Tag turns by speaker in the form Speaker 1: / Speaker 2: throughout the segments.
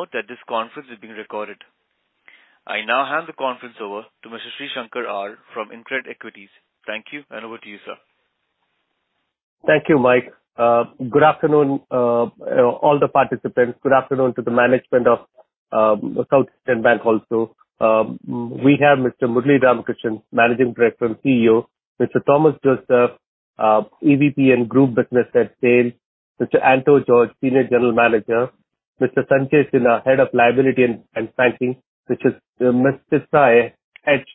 Speaker 1: Note that this conference is being recorded. I now hand the conference over to Mr. Shingankar from InCred Equities. Thank you, and over to you, sir.
Speaker 2: Thank you, Mike. Good afternoon, all the participants. Good afternoon to the management of South Indian Bank also. We have Mr. Murali Ramakrishnan, Managing Director and CEO; Mr. Thomas Joseph, EVP and Group Business Head, Sales; Mr. Anto George, Senior General Manager; Mr. Sanchay Sinha, Head of Retail Liabilities; Ms. Chithra H,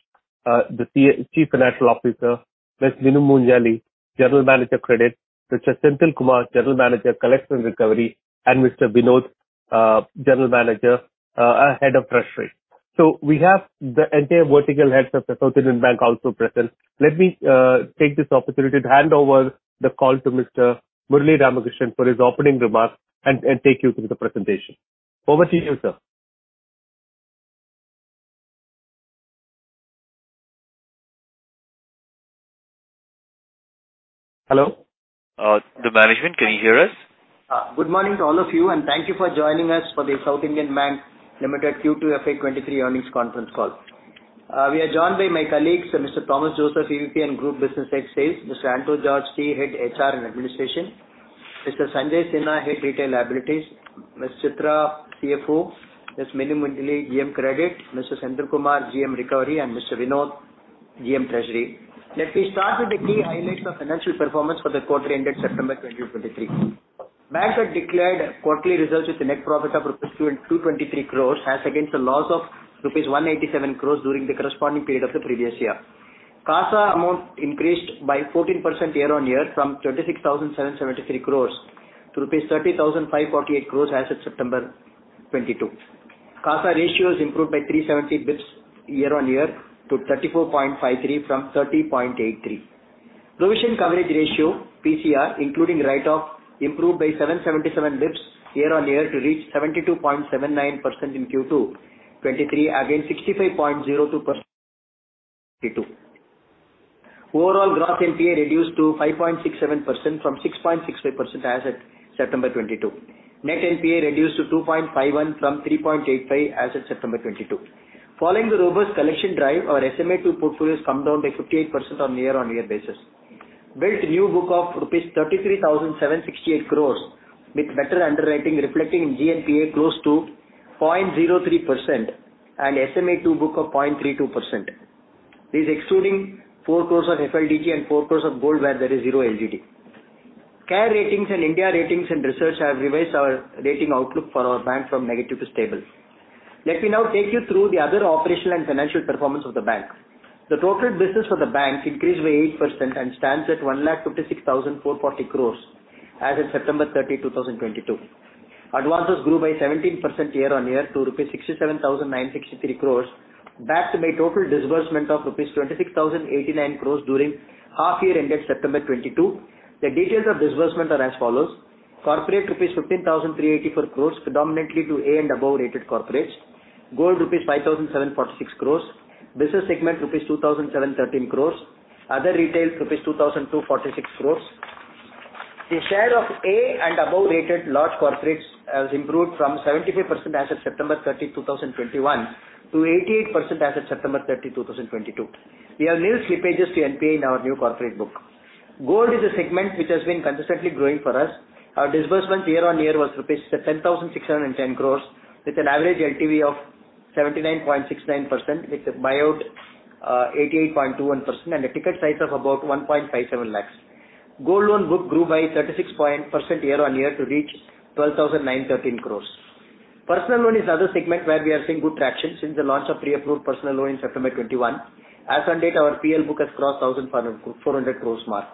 Speaker 2: the Chief Financial Officer; Ms. Minu Moonjely, General Manager, Credit; Mr. Senthil Kumar, General Manager, Collection and Recovery; and Mr. Vinod, General Manager, Head of Treasury. So we have the entire vertical heads of the South Indian Bank also present. Let me take this opportunity to hand over the call to Mr. Murali Ramakrishnan for his opening remarks and take you through the presentation. Over to you, sir.
Speaker 3: Hello?
Speaker 2: The management, can you hear us?
Speaker 3: Good morning to all of you, and thank you for joining us for the South Indian Bank Limited Q2 FY 2023 earnings conference call. We are joined by my colleagues, Mr. Thomas Joseph, EVP and Group Business Head, Sales, Mr. Anto George, CHR, Head HR and Administration, Mr. Sanchay Sinha, Head, Retail Liabilities, Ms. Chithra, CFO, Ms. Minu Moonjely, GM, Credit, Mr. Senthil Kumar, GM, Recovery, and Mr. Vinod, GM, Treasury. Let me start with the key highlights of financial performance for the quarter ended September 2023. The Bank had declared quarterly results with a net profit of rupees 223 crore, as against a loss of rupees 187 crore during the corresponding period of the previous year. CASA amount increased by 14% year-on-year from 26,773 crore to rupees 30,548 crore as of September 2022. CASA ratio is improved by 370 basis points year-on-year to 34.53% from 30.83%. Provision coverage ratio, PCR, including write-off, improved by 777 basis points year-on-year to reach 72.79% in Q2 2023, against 65.02% Q2. Overall, gross NPA reduced to 5.67% from 6.65% as at September 2022. Net NPA reduced to 2.51% from 3.85% as at September 2022. Following the robust collection drive, our SMA-2 portfolio has come down by 58% on year-on-year basis. Built new book of rupees 33,768 crore, with better underwriting reflecting in GNPA close to 0.03% and SMA-2 book of 0.32%. This is excluding 4 crore of FLDG and 4 crore of gold, where there is zero LGD. CARE Ratings and India Ratings and Research have revised our rating outlook for our bank from negative to stable. Let me now take you through the other operational and financial performance of the bank. The total business for the bank increased by 8% and stands at 156,440 crore as of September 30, 2022. Advances grew by 17% year-on-year to rupees 67,963 crore, backed by total disbursement of rupees 26,089 crore during half year ended September 2022. The details of disbursement are as follows: Corporate, rupees 15,384 crore, predominantly to A and above rated corporates; gold, rupees 5,746 crore; business segment, rupees 2,713 crore; other retail, rupees 2,246 crore. The share of A and above rated large corporates has improved from 75% as of September 30, 2021, to 88% as of September 30, 2022. We have nil slippages to NPA in our new corporate book. Gold is a segment which has been consistently growing for us. Our disbursements year-on-year was rupees 10,610 crore, with an average LTV of 79.69%, with a buyout, eighty-eight point two one percent, and a ticket size of about 1.57 lakh. Gold loan book grew by 36% year-on-year to reach 12,913 crore. Personal loan is other segment where we are seeing good traction since the launch of pre-approved personal loan in September 2021. As on date, our PL book has crossed 1,400 crore mark.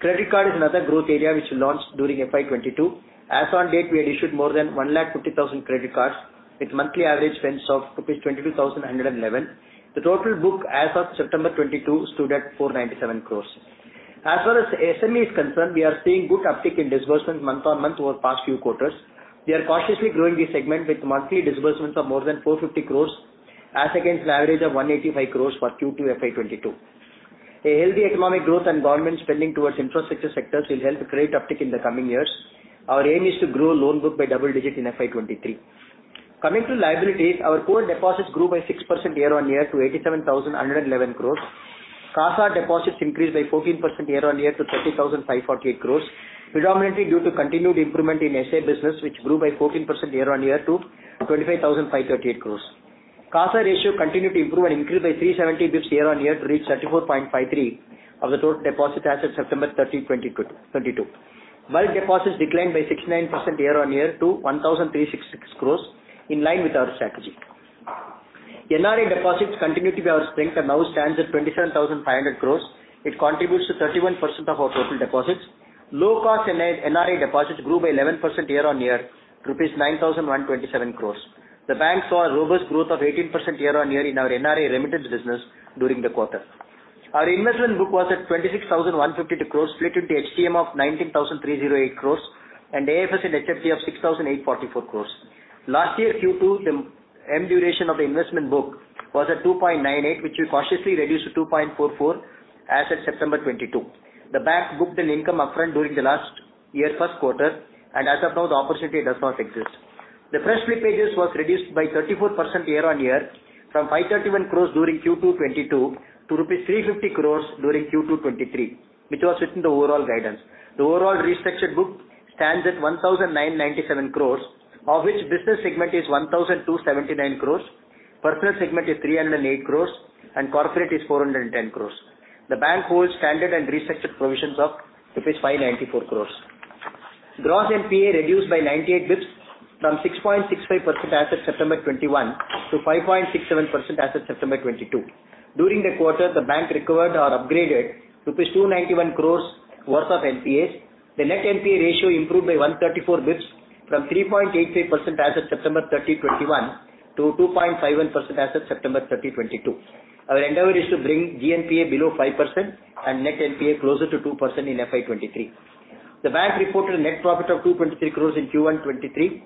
Speaker 3: Credit card is another growth area which we launched during FY 2022. As on date, we had issued more than 150,000 credit cards, with monthly average spends of rupees 22,111. The total book as of September 2022 stood at 497 crore. As far as SME is concerned, we are seeing good uptick in disbursements month-on-month over past few quarters. We are cautiously growing this segment with monthly disbursements of more than 450 crore, as against an average of 185 crore for Q2 FY 2022. A healthy economic growth and government spending towards infrastructure sectors will help to create uptick in the coming years. Our aim is to grow loan book by double-digit in FY 2023. Coming to liabilities, our total deposits grew by 6% year-on-year to 87,111 crore. CASA deposits increased by 14% year-on-year to 30,548 crore, predominantly due to continued improvement in SB business, which grew by 14% year-on-year to 25,538 crore. CASA ratio continued to improve and increase by 370 basis points year-on-year to reach 34.53% of the total deposit as of September 30, 2022. Bulk deposits declined by 69% year-on-year to 1,366 crore, in line with our strategy. NRI deposits continue to be our strength and now stands at 27,500 crore. It contributes to 31% of our total deposits. Low cost NRE, NRI deposits grew by 11% year-on-year, rupees 9,127 crore. The bank saw a robust growth of 18% year-on-year in our NRI remittance business during the quarter. Our investment book was at 26,152 crore, split into HTM of 19,308 crore and AFS and HFT of 6,844 crore. Last year, Q2, the end duration of the investment book was at 2.98, which we cautiously reduced to 2.44... as of September 2022. The bank booked an income upfront during the last year first quarter, and as of now, the opportunity does not exist. The fresh slippages was reduced by 34% year-on-year, from 531 crore during Q2 2022 to rupees 350 crore during Q2 2023, which was within the overall guidance. The overall restructured book stands at 1,997 crore, of which business segment is 1,279 crore, personal segment is 308 crore, and corporate is 410 crore. The bank holds standard and restructured provisions of rupees 594 crores. Gross NPA reduced by 98 basis points from 6.65% as of September 2021, to 5.67% as of September 2022. During the quarter, the bank recovered or upgraded rupees 291 crores worth of NPAs. The net NPA ratio improved by 134 basis points from 3.83% as of September 30, 2021, to 2.51% as of September 30, 2022. Our endeavor is to bring GNPA below 5% and net NPA closer to 2% in FY 2023. The bank reported net profit of 223 crores in Q1 2023.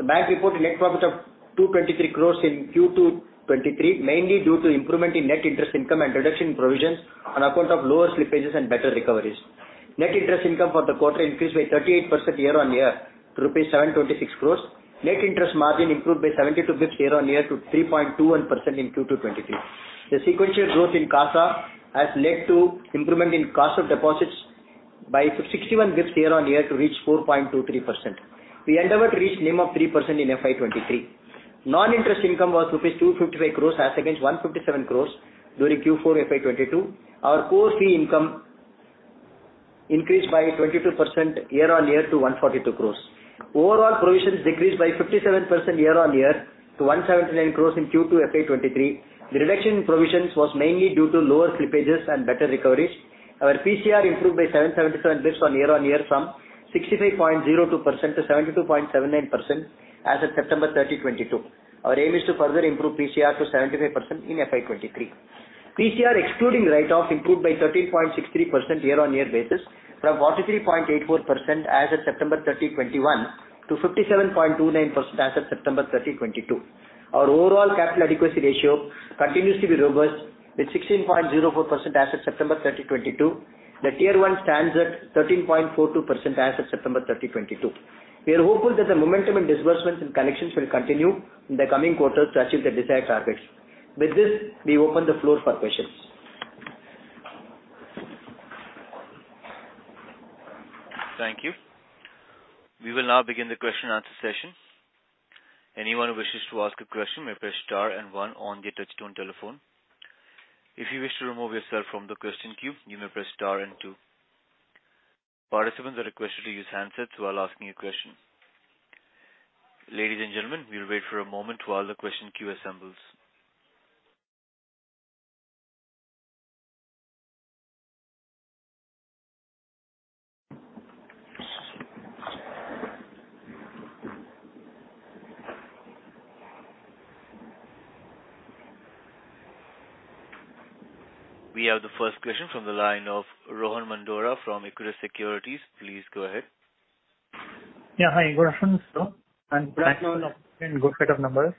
Speaker 3: The bank reported net profit of 223 crores in Q2 2023, mainly due to improvement in net interest income and reduction in provisions on account of lower slippages and better recoveries. Net interest income for the quarter increased by 38% year-on-year to rupees 726 crore. Net interest margin improved by 72 basis points year-on-year to 3.21% in Q2 2023. The sequential growth in CASA has led to improvement in cost of deposits by 61 basis points year-on-year to reach 4.23%. We endeavor to reach NIM of 3% in FY 2023. Non-interest income was rupees 255 crore, as against 157 crore during Q4 FY 2022. Our core fee income increased by 22% year-on-year to 142 crore. Overall, provisions decreased by 57% year-on-year to 179 crore in Q2 2023. The reduction in provisions was mainly due to lower slippages and better recoveries. Our PCR improved by 777 basis points year-on-year from 65.02% to 72.79% as of September 30, 2022. Our aim is to further improve PCR to 75% in FY 2023. PCR, excluding write-off, improved by 13.63% year-on-year basis from 43.84% as of September 30, 2021, to 57.29% as of September 30, 2022. Our overall capital adequacy ratio continues to be robust, with 16.04% as of September 30, 2022. The Tier I stands at 13.42% as of September 30, 2022. We are hopeful that the momentum in disbursements and collections will continue in the coming quarters to achieve the desired targets. With this, we open the floor for questions.
Speaker 1: Thank you. We will now begin the question and answer session. Anyone who wishes to ask a question may press star and one on their touchtone telephone. If you wish to remove yourself from the question queue, you may press star and two. Participants are requested to use handsets while asking a question. Ladies and gentlemen, we will wait for a moment while the question queue assembles. We have the first question from the line of Rohan Mandora from Equirus Securities. Please go ahead.
Speaker 4: Yeah. Hi, good afternoon, sir, and good afternoon and good set of numbers.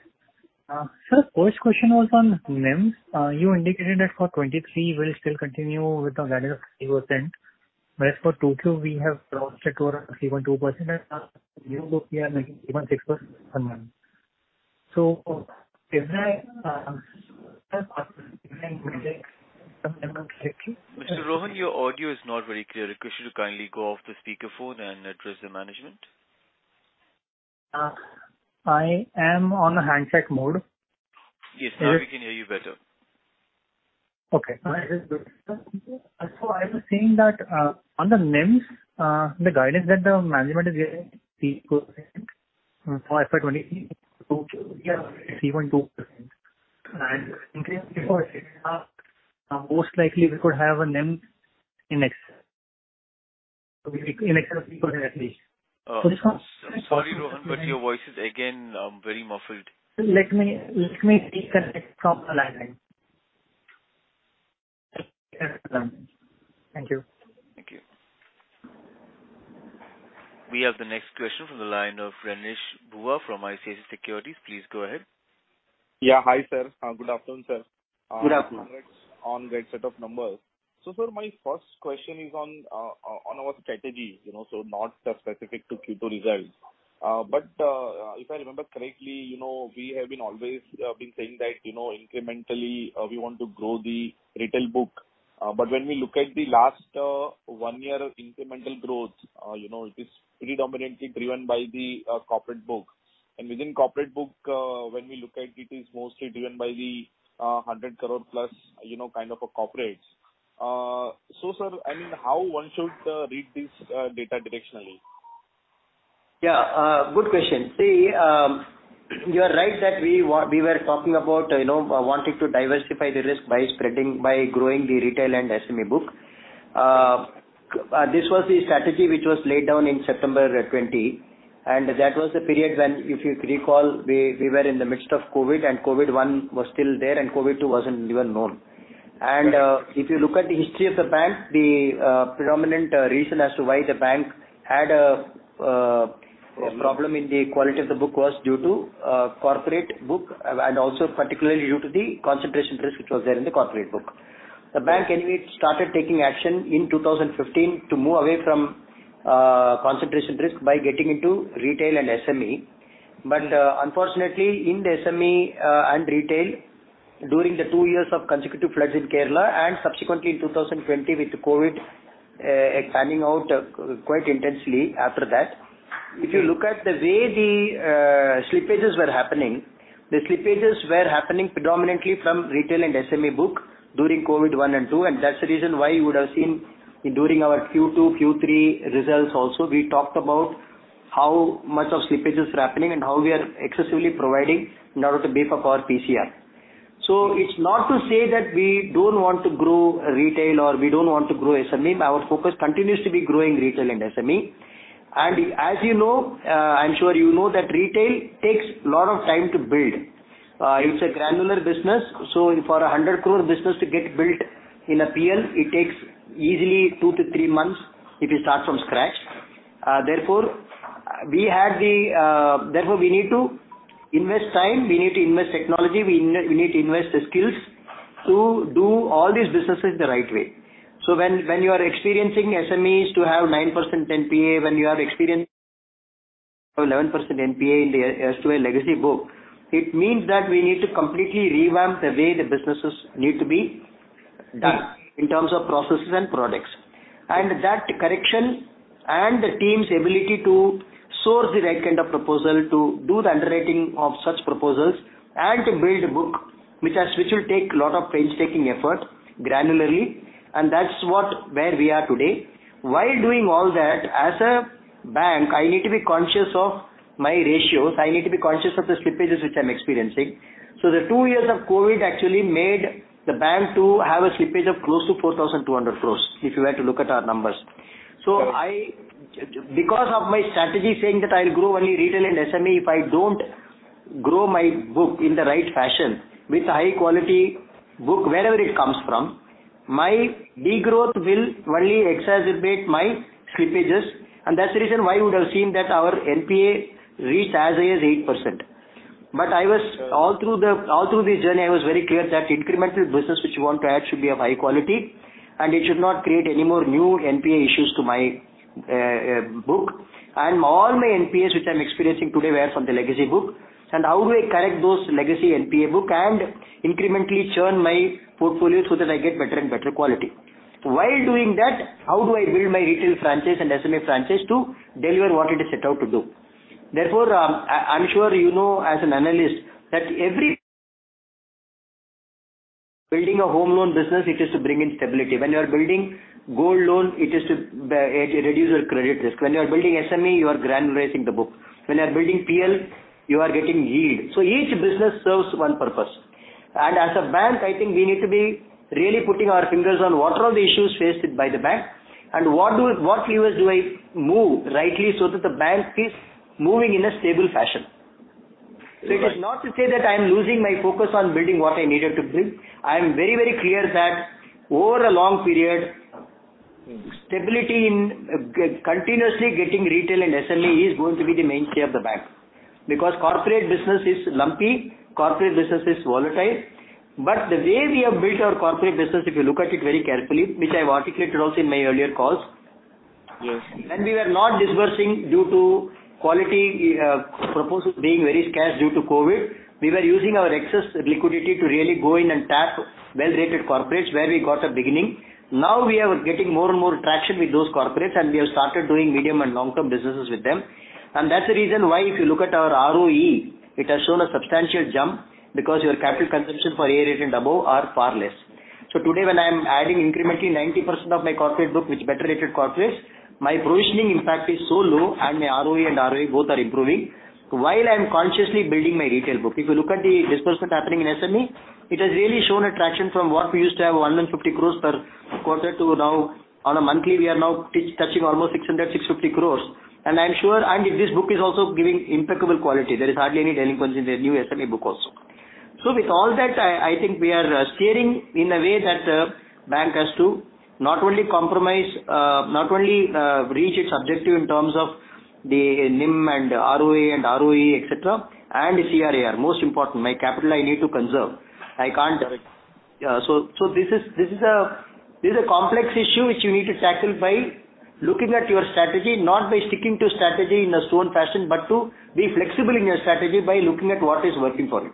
Speaker 4: Sir, first question was on NIM. You indicated that for 2023, we'll still continue with the guidance of 30%, whereas for 2Q, we have lost it to around 3.2% and now we are making 3.6% per month. So if I, -
Speaker 1: Mr. Rohan, your audio is not very clear. Request you to kindly go off the speaker phone and address the management.
Speaker 4: I am on the handset mode.
Speaker 1: Yes, now we can hear you better.
Speaker 4: Okay, all right. Good. So I was saying that, on the NIMs, the guidance that the management is giving, for FY 22-23, 3.2%. And increasing, most likely we could have a NIM in excess, in excess of 3% at least.
Speaker 1: Sorry, Rohan, but your voice is again very muffled.
Speaker 4: Let me, let me disconnect from the landline. Thank you.
Speaker 1: Thank you. We have the next question from the line of Renish Bhuva from ICICI Securities. Please go ahead.
Speaker 5: Yeah. Hi, sir. Good afternoon, sir.
Speaker 3: Good afternoon.
Speaker 5: On great set of numbers. So sir, my first question is on, on our strategy, you know, so not specific to Q2 results. But, if I remember correctly, you know, we have been always been saying that, you know, incrementally, we want to grow the retail book. But when we look at the last, one year of incremental growth, you know, it is pretty dominantly driven by the, corporate book. And within corporate book, when we look at it, it's mostly driven by the, 100 crore plus, you know, kind of a corporates. So sir, and how one should, read this, data directionally?
Speaker 3: Yeah, good question. See, you are right that we were talking about, you know, wanting to diversify the risk by spreading, by growing the retail and SME book. This was the strategy which was laid down in September 2020, and that was the period when, if you recall, we were in the midst of COVID, and COVID-1 was still there, and COVID-2 wasn't even known. And, if you look at the history of the bank, the predominant reason as to why the bank had a problem in the quality of the book was due to corporate book, and also particularly due to the concentration risk which was there in the corporate book. The bank anyway started taking action in 2015 to move away from, concentration risk by getting into retail and SME. But, unfortunately, in the SME, and retail, during the two years of consecutive floods in Kerala, and subsequently in 2020 with the COVID, panning out, quite intensely after that, if you look at the way the, slippages were happening, the slippages were happening predominantly from retail and SME book during COVID one and two, and that's the reason why you would have seen during our Q2, Q3 results also, we talked about how much of slippage is happening and how we are excessively providing in order to beef up our PCR. It's not to say that we don't want to grow retail or we don't want to grow SME, but our focus continues to be growing retail and SME. And as you know, I'm sure you know that retail takes a lot of time to build. It's a granular business, so for an 100 crore business to get built in a PL, it takes easily two to three months if you start from scratch. Therefore, we need to invest time, we need to invest technology, we need to invest the skills to do all these businesses the right way. So when, when you are experiencing SMEs to have 9% NPA, when you are experiencing 11% NPA in the, as to a legacy book, it means that we need to completely revamp the way the businesses need to be done in terms of processes and products. And that correction and the team's ability to source the right kind of proposal to do the underwriting of such proposals and to build a book which has, which will take a lot of painstaking effort granularly, and that's what where we are today. While doing all that, as a bank, I need to be conscious of my ratios, I need to be conscious of the slippages which I'm experiencing. So the two years of COVID actually made the bank to have a slippage of close to 4,200 crore, if you were to look at our numbers. So I, because of my strategy saying that I'll grow only retail and SME, if I don't grow my book in the right fashion with a high quality book, wherever it comes from, my degrowth will only exacerbate my slippages, and that's the reason why you would have seen that our NPA reach as high as 8%. But I was, all through the, all through the journey, I was very clear that incremental business which you want to add should be of high quality, and it should not create any more new NPA issues to my book. And all my NPAs, which I'm experiencing today, were from the legacy book, and how do I correct those legacy NPA book and incrementally churn my portfolio so that I get better and better quality? While doing that, how do I build my retail franchise and SME franchise to deliver what it is set out to do? Therefore, I’m sure you know as an analyst, that every building a home loan business, it is to bring in stability. When you are building gold loan, it is to reduce your credit risk. When you are building SME, you are granularizing the book. When you are building PL, you are getting yield. So each business serves one purpose. And as a bank, I think we need to be really putting our fingers on what are all the issues faced by the bank and what levers do I move rightly so that the bank is moving in a stable fashion. It is not to say that I am losing my focus on building what I needed to build. I am very, very clear that over a long period, stability in continuously getting retail and SME is going to be the mainstay of the bank, because corporate business is lumpy, corporate business is volatile. But the way we have built our corporate business, if you look at it very carefully, which I have articulated also in my earlier calls-
Speaker 5: Yes.
Speaker 3: When we were not disbursing due to quality proposals being very scarce due to COVID, we were using our excess liquidity to really go in and tap well-rated corporates, where we got a beginning. Now we are getting more and more traction with those corporates, and we have started doing medium and long-term businesses with them. That's the reason why, if you look at our ROE, it has shown a substantial jump because your capital consumption for A-rated and above are far less. Today, when I am adding incrementally 90% of my corporate book with better-rated corporates, my provisioning impact is so low and my ROE and ROA both are improving. While I am consciously building my retail book, if you look at the disbursement happening in SME, it has really shown a traction from what we used to have, 150 crore per quarter to now on a monthly, we are now touching almost 600, 650 crores. And I'm sure, and this book is also giving impeccable quality. There is hardly any delinquency in the new SME book also. So with all that, I, I think we are steering in a way that bank has to not only compromise, not only reach its objective in terms of the NIM and ROA and ROE, et cetera, and the CRAR, most important, my capital I need to conserve. I can't... So, this is a complex issue which you need to tackle by looking at your strategy, not by sticking to strategy in a stone fashion, but to be flexible in your strategy by looking at what is working for you.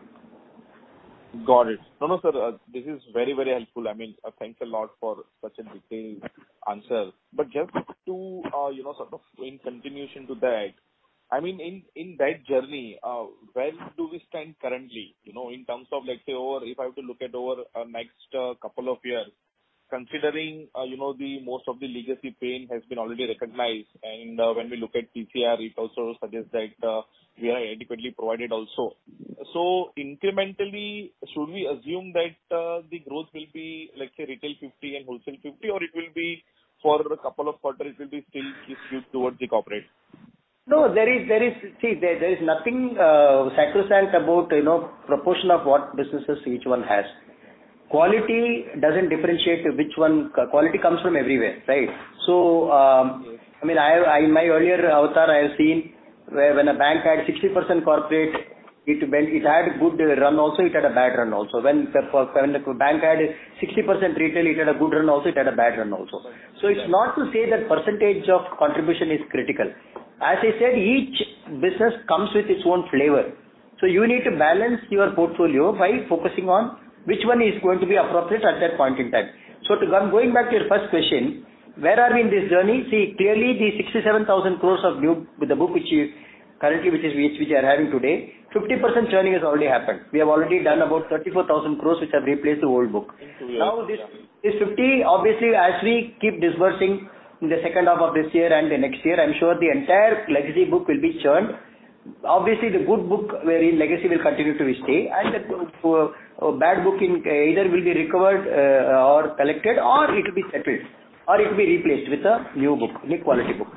Speaker 5: Got it. No, no, sir, this is very, very helpful. I mean, thanks a lot for such a detailed answer. But just to, you know, sort of in continuation to that, I mean, in that journey, where do we stand currently? You know, in terms of, let's say, over, if I were to look at over, next, couple of years, considering, you know, the most of the legacy pain has been already recognized, and, when we look at PCR, it also suggests that, we are adequately provided also. So incrementally, should we assume that, the growth will be, let's say, retail 50 and wholesale 50, or it will be for a couple of quarters, it will be still skewed towards the corporate?
Speaker 3: No, there is. See, there is nothing sacrosanct about, you know, proportion of what businesses each one has. Quality doesn't differentiate which one, quality comes from everywhere, right? So, I mean, in my earlier avatar, I have seen where when a bank had 60% corporate, it, when it had good run also, it had a bad run also. When the bank had 60% retail, it had a good run also, it had a bad run also. So it's not to say that percentage of contribution is critical. As I said, each business comes with its own flavor, so you need to balance your portfolio by focusing on which one is going to be appropriate at that point in time. So to come, going back to your first question, where are we in this journey? See, clearly, the 67,000 crore of new, with the book, which is currently, which we are having today, 50% churning has already happened. We have already done about 34,000 crore, which have replaced the old book. Now, this, this 50, obviously, as we keep disbursing in the second half of this year and the next year, I'm sure the entire legacy book will be churned. Obviously, the good book where in legacy will continue to stay, and the bad book either will be recovered, or collected, or it will be settled, or it will be replaced with a new book, with a quality book.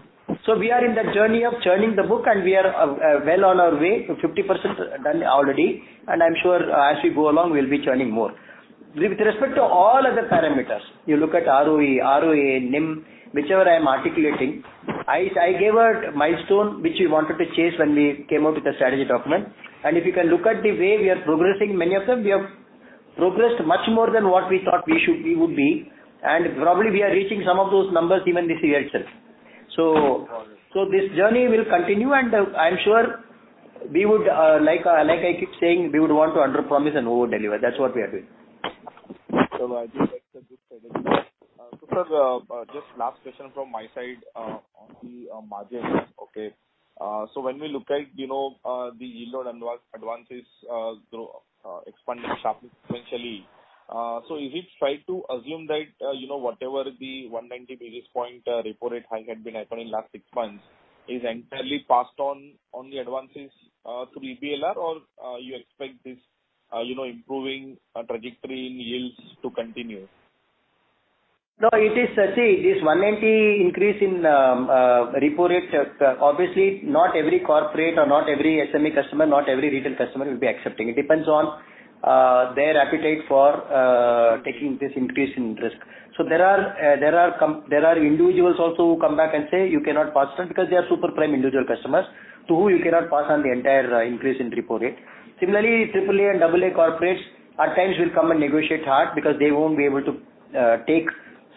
Speaker 3: So we are in the journey of churning the book, and we are well on our way, so 50% done already, and I'm sure as we go along, we'll be churning more. With respect to all other parameters, you look at ROE, ROA, NIM, whichever I am articulating, I gave a milestone which we wanted to chase when we came out with the strategy document. And if you can look at the way we are progressing, many of them, we have progressed much more than what we thought we should, we would be, and probably we are reaching some of those numbers even this year itself. So, so this journey will continue, and I'm sure we would, like, like I keep saying, we would want to underpromise and overdeliver. That's what we are doing.
Speaker 5: So I think that's a good strategy. So sir, just last question from my side, on the, margins, okay. So when we look at, you know, the yield on advances, grow, expanding sharply, exponentially, so if we try to assume that, you know, whatever the 190 basis point, repo rate hike had been happening in last six months, is entirely passed on, on the advances, through the PLR, or, you expect this, you know, improving, trajectory in yields to continue?
Speaker 3: No, it is... See, this 190 increase in repo rates, obviously, not every corporate or not every SME customer, not every retail customer will be accepting. It depends on their appetite for taking this increase in risk. So there are there are individuals also who come back and say, "You cannot pass it on," because they are super prime individual customers to who you cannot pass on the entire increase in repo rate. Similarly, AAA and AA corporates at times will come and negotiate hard because they won't be able to take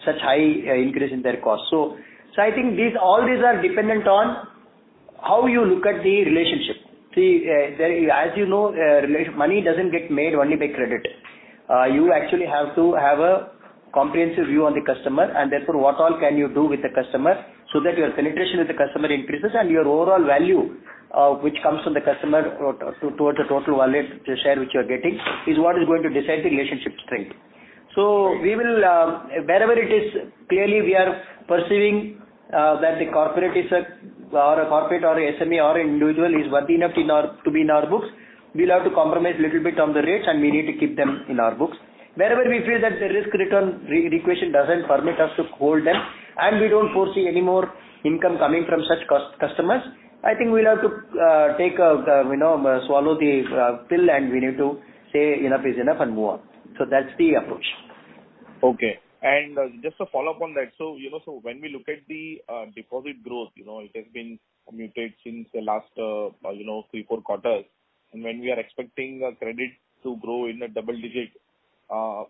Speaker 3: such high increase in their costs. So, so I think these, all these are dependent on how you look at the relationship. See, there, as you know, money doesn't get made only by credit. You actually have to have a comprehensive view on the customer, and therefore, what all can you do with the customer so that your penetration with the customer increases and your overall value, which comes from the customer towards the total wallet share which you are getting, is what is going to decide the relationship strength. So we will, wherever it is, clearly, we are perceiving, that the corporate is a, or a corporate or a SME or individual is worthy enough in our, to be in our books, we'll have to compromise little bit on the rates, and we need to keep them in our books. Wherever we feel that the risk-return equation doesn't permit us to hold them, and we don't foresee any more income coming from such customers, I think we'll have to take the, you know, swallow the pill, and we need to say enough is enough and move on. So that's the approach.
Speaker 5: Okay. Just a follow-up on that. So, you know, so when we look at the deposit growth, you know, it has been muted since the last, you know, three, four quarters, and when we are expecting the credit to grow in a double digit,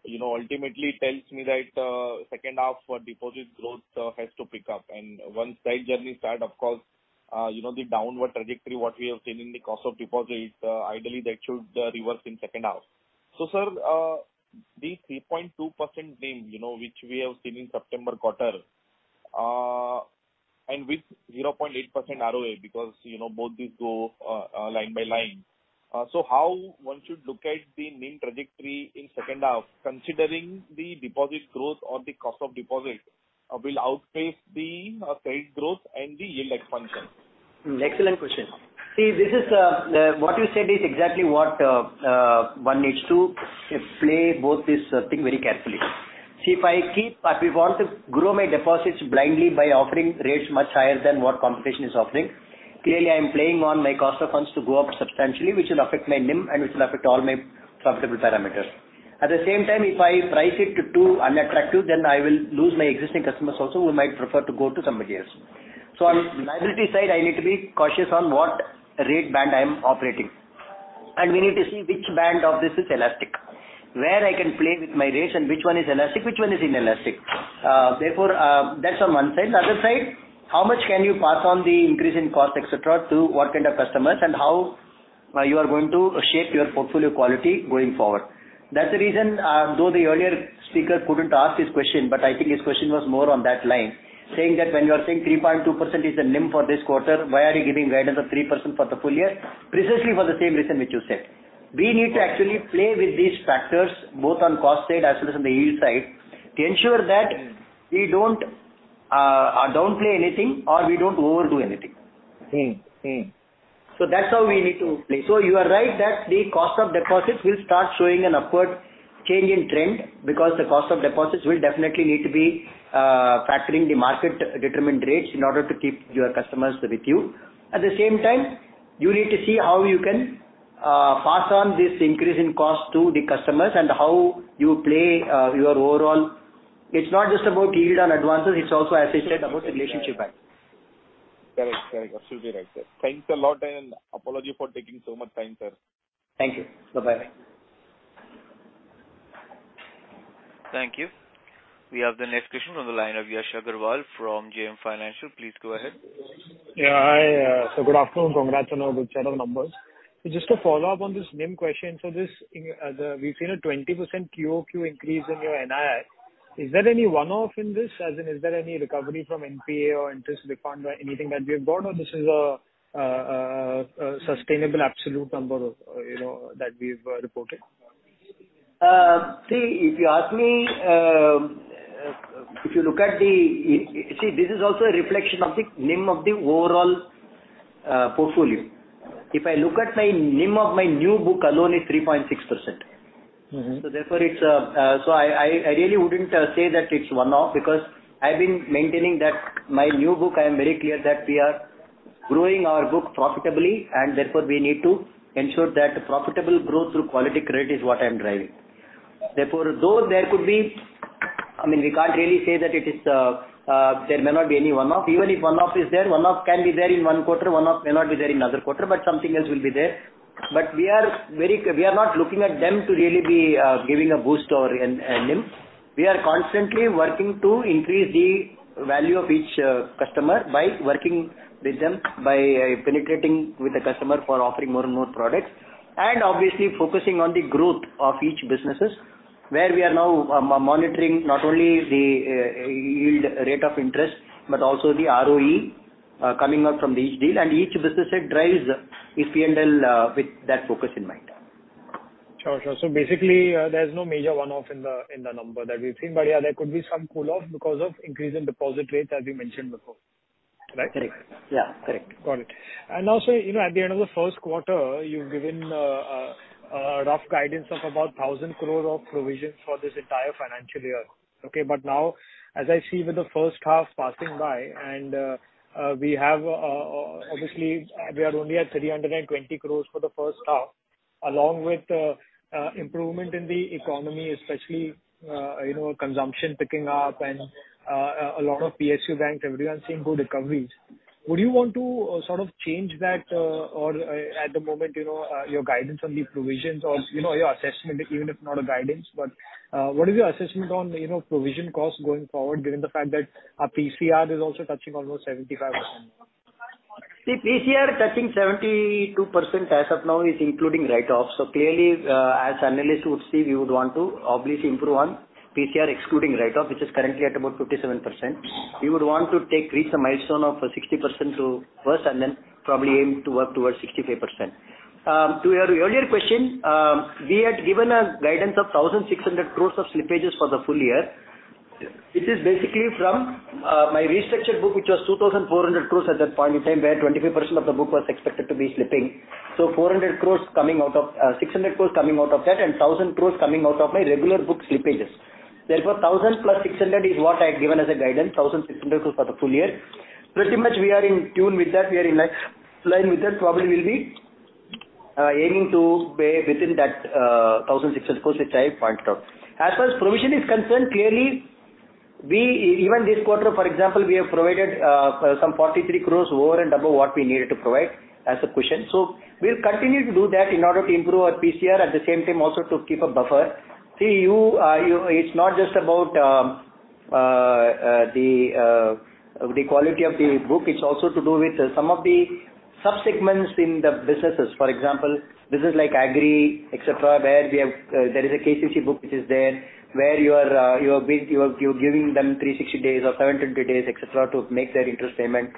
Speaker 5: you know, ultimately tells me that second half for deposit growth has to pick up. And once that journey start, of course, you know, the downward trajectory, what we have seen in the cost of deposits, ideally, that should reverse in second half. So, sir, the 3.2% NIM, you know, which we have seen in September quarter, and with 0.8% ROA, because, you know, both these go line by line. So how one should look at the NIM trajectory in second half, considering the deposit growth or the cost of deposit will outpace the credit growth and the yield expansion?
Speaker 3: Excellent question. See, this is what you said is exactly what one needs to play both this thing very carefully. See, if I keep, but we want to grow my deposits blindly by offering rates much higher than what competition is offering, clearly, I'm playing on my cost of funds to go up substantially, which will affect my NIM and which will affect all my profitable parameters. At the same time, if I price it to too unattractive, then I will lose my existing customers also, who might prefer to go to somebody else. So on liability side, I need to be cautious on what rate band I am operating, and we need to see which band of this is elastic, where I can play with my rates and which one is elastic, which one is inelastic. Therefore, that's on one side. The other side, how much can you pass on the increase in cost, et cetera, to what kind of customers, and how, you are going to shape your portfolio quality going forward? That's the reason, though the earlier speaker couldn't ask his question, but I think his question was more on that line, saying that when you are saying 3.2% is the NIM for this quarter, why are you giving guidance of 3% for the full year? Precisely for the same reason which you said. We need to actually play with these factors, both on cost side as well as on the yield side, to ensure that we don't, downplay anything or we don't overdo anything.
Speaker 5: Mm-hmm. Mm.
Speaker 3: So that's how we need to play. So you are right that the cost of deposits will start showing an upward change in trend, because the cost of deposits will definitely need to be factoring the market-determined rates in order to keep your customers with you. At the same time, you need to see how you can pass on this increase in cost to the customers and how you play your overall. It's not just about yield on advances, it's also associated about the relationship back.
Speaker 5: Correct, correct. Absolutely right, sir. Thanks a lot, and apology for taking so much time, sir.
Speaker 3: Thank you. Bye-bye.
Speaker 1: Thank you. We have the next question on the line of Yash Agarwal from JM Financial. Please go ahead.
Speaker 6: Yeah, hi, so good afternoon. Congrats on a good set of numbers. Just to follow up on this NIM question, so this, in, the-- we've seen a 20% QOQ increase in your NII. Is there any one-off in this, as in, is there any recovery from NPA or interest refund or anything that we've got, or this is a sustainable absolute number, you know, that we've reported?
Speaker 3: See, this is also a reflection of the NIM of the overall portfolio. If I look at my NIM of my new book alone, it's 3.6%.
Speaker 6: Mm-hmm.
Speaker 3: So therefore, it's. So I really wouldn't say that it's one-off because I've been maintaining that my new book, I am very clear that we are growing our book profitably, and therefore, we need to ensure that the profitable growth through quality credit is what I'm driving. Therefore, though there could be, I mean, we can't really say that it is, there may not be any one-off. Even if one-off is there, one-off can be there in one quarter, one-off may not be there in another quarter, but something else will be there. But we are very. We are not looking at them to really be giving a boost or a NIM. We are constantly working to increase the value of each customer by working with them, by penetrating with the customer for offering more and more products, and obviously, focusing on the growth of each businesses, where we are now monitoring not only the yield, rate of interest, but also the ROE coming out from each deal, and each business, it drives the PNL with that focus in mind.
Speaker 6: Sure, sure. So basically, there's no major one-off in the number that we've seen, but yeah, there could be some cool off because of increase in deposit rates, as we mentioned before. Right?
Speaker 3: Correct. Yeah, correct.
Speaker 6: Got it. And also, you know, at the end of the first quarter, you've given a rough guidance of about 1,000 crore of provision for this entire financial year, okay? But now, as I see with the first half passing by, and we have, obviously, we are only at 320 crore for the first half, along with improvement in the economy, especially, you know, consumption picking up and a lot of PSU banks, everyone seeing good recoveries. Would you want to sort of change that, or at the moment, you know, your guidance on the provisions or, you know, your assessment, even if not a guidance, but what is your assessment on, you know, provision costs going forward, given the fact that our PCR is also touching almost 75%?
Speaker 3: See, PCR touching 72% as of now is including write-offs. So clearly, as analysts would see, we would want to obviously improve on PCR excluding write-off, which is currently at about 57%. We would want to take, reach a milestone of 60% to first and then probably aim to work towards 65%. To your earlier question, we had given a guidance of 1,600 crore of slippages for the full year.
Speaker 6: Yes.
Speaker 3: This is basically from my restructured book, which was 2,400 crore at that point in time, where 25% of the book was expected to be slipping. So 400 crore coming out of 600 crore coming out of that, and 1,000 crore coming out of my regular book slippages. Therefore, 1,000 + 600 is what I had given as a guidance, 1,600 crore for the full year. Pretty much we are in tune with that, we are in line with that, probably will be aiming to be within that 1,600 crore, which I pointed out. As far as provision is concerned, clearly, we even this quarter, for example, we have provided some 43 crore over and above what we needed to provide as a cushion. So we'll continue to do that in order to improve our PCR, at the same time, also to keep a buffer. See, you, you... It's not just about, the quality of the book, it's also to do with some of the sub-segments in the businesses. For example, business like agri, et cetera, where we have, there is a KCC book which is there, where you are, you are giving them 360 days or 720 days, et cetera, to make their interest payment.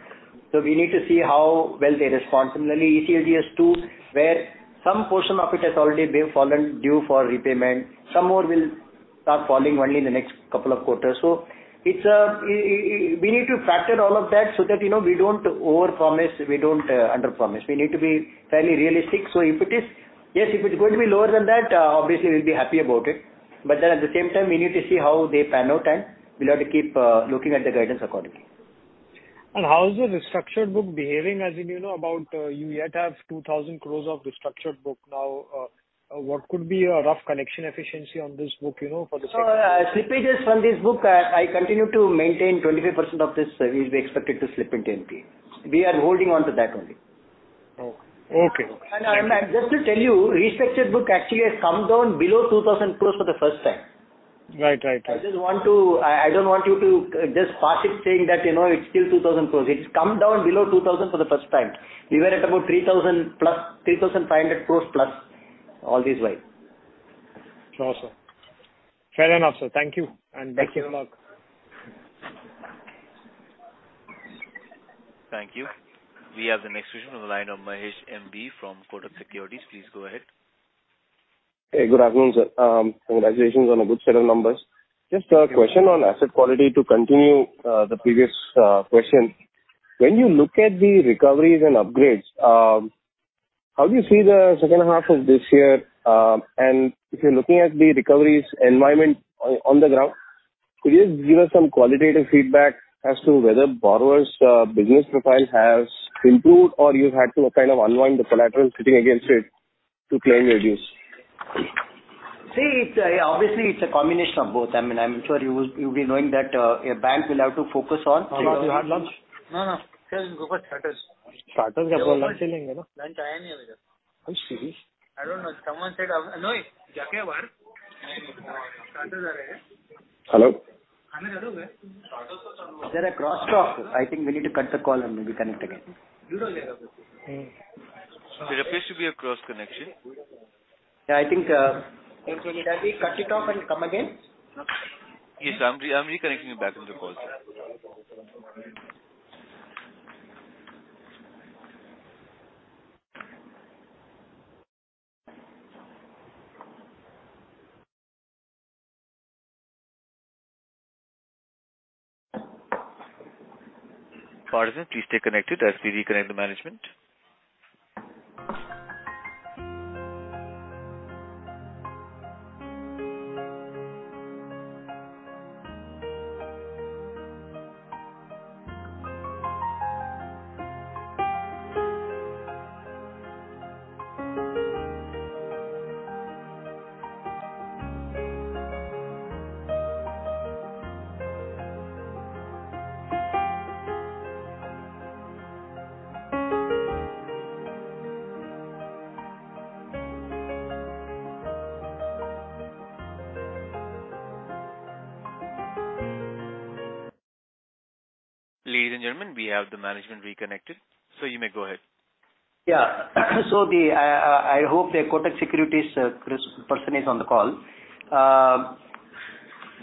Speaker 3: So we need to see how well they respond. Similarly, ECLGS 2.0, where some portion of it has already been fallen due for repayment. Some more will start falling only in the next couple of quarters. So it's, we need to factor all of that so that, you know, we don't overpromise, we don't underpromise. We need to be fairly realistic. So if it is... Yes, if it's going to be lower than that, obviously, we'll be happy about it. But then at the same time, we need to see how they pan out, and we'll have to keep looking at the guidance accordingly.
Speaker 6: How is the restructured book behaving, as in, you know, do you yet have 2,000 crore of restructured book now, what could be a rough collection efficiency on this book, you know, for the-
Speaker 3: So, slippages from this book, I continue to maintain 25% of this will be expected to slip into NPA. We are holding on to that only.
Speaker 6: Oh, okay.
Speaker 3: And just to tell you, restructured book actually has come down below 2,000 crore for the first time.
Speaker 6: Right, right, right.
Speaker 3: I just want to... I don't want you to just pass it saying that, you know, it's still 2,000 crore. It's come down below 2,000 for the first time. We were at about 3,000+, 3,500 crore+, all this while.
Speaker 6: Sure, sir. Fair enough, sir. Thank you, and best in luck.
Speaker 1: Thank you. We have the next question on the line of Mahesh M.B from Kotak Securities. Please go ahead.
Speaker 7: Hey, good afternoon, sir. Congratulations on a good set of numbers. Just a question on asset quality to continue the previous question. When you look at the recoveries and upgrades, how do you see the second half of this year? And if you're looking at the recoveries environment on the ground? Could you just give us some qualitative feedback as to whether borrowers' business profile has improved, or you've had to kind of unwind the collateral sitting against it to claim your dues?
Speaker 3: See, it's obviously a combination of both. I mean, I'm sure you will, you'll be knowing that a bank will have to focus on-
Speaker 7: Hello, you had lunch?
Speaker 5: No, no. Just go for starters.
Speaker 7: Starters, lunch
Speaker 5: Lunch
Speaker 7: Are you serious?
Speaker 5: I don't know. Someone said, no.
Speaker 3: Hello?
Speaker 5: Hello.
Speaker 3: There are crosstalk. I think we need to cut the call and maybe connect again.
Speaker 7: There appears to be a cross connection.
Speaker 3: Yeah, I think, maybe cut it off and come again.
Speaker 1: Yes, I'm reconnecting you back on the call, sir. Pardon, please stay connected as we reconnect the management. Ladies and gentlemen, we have the management reconnected, so you may go ahead.
Speaker 3: Yeah. So I hope the Kotak Securities person is on the call.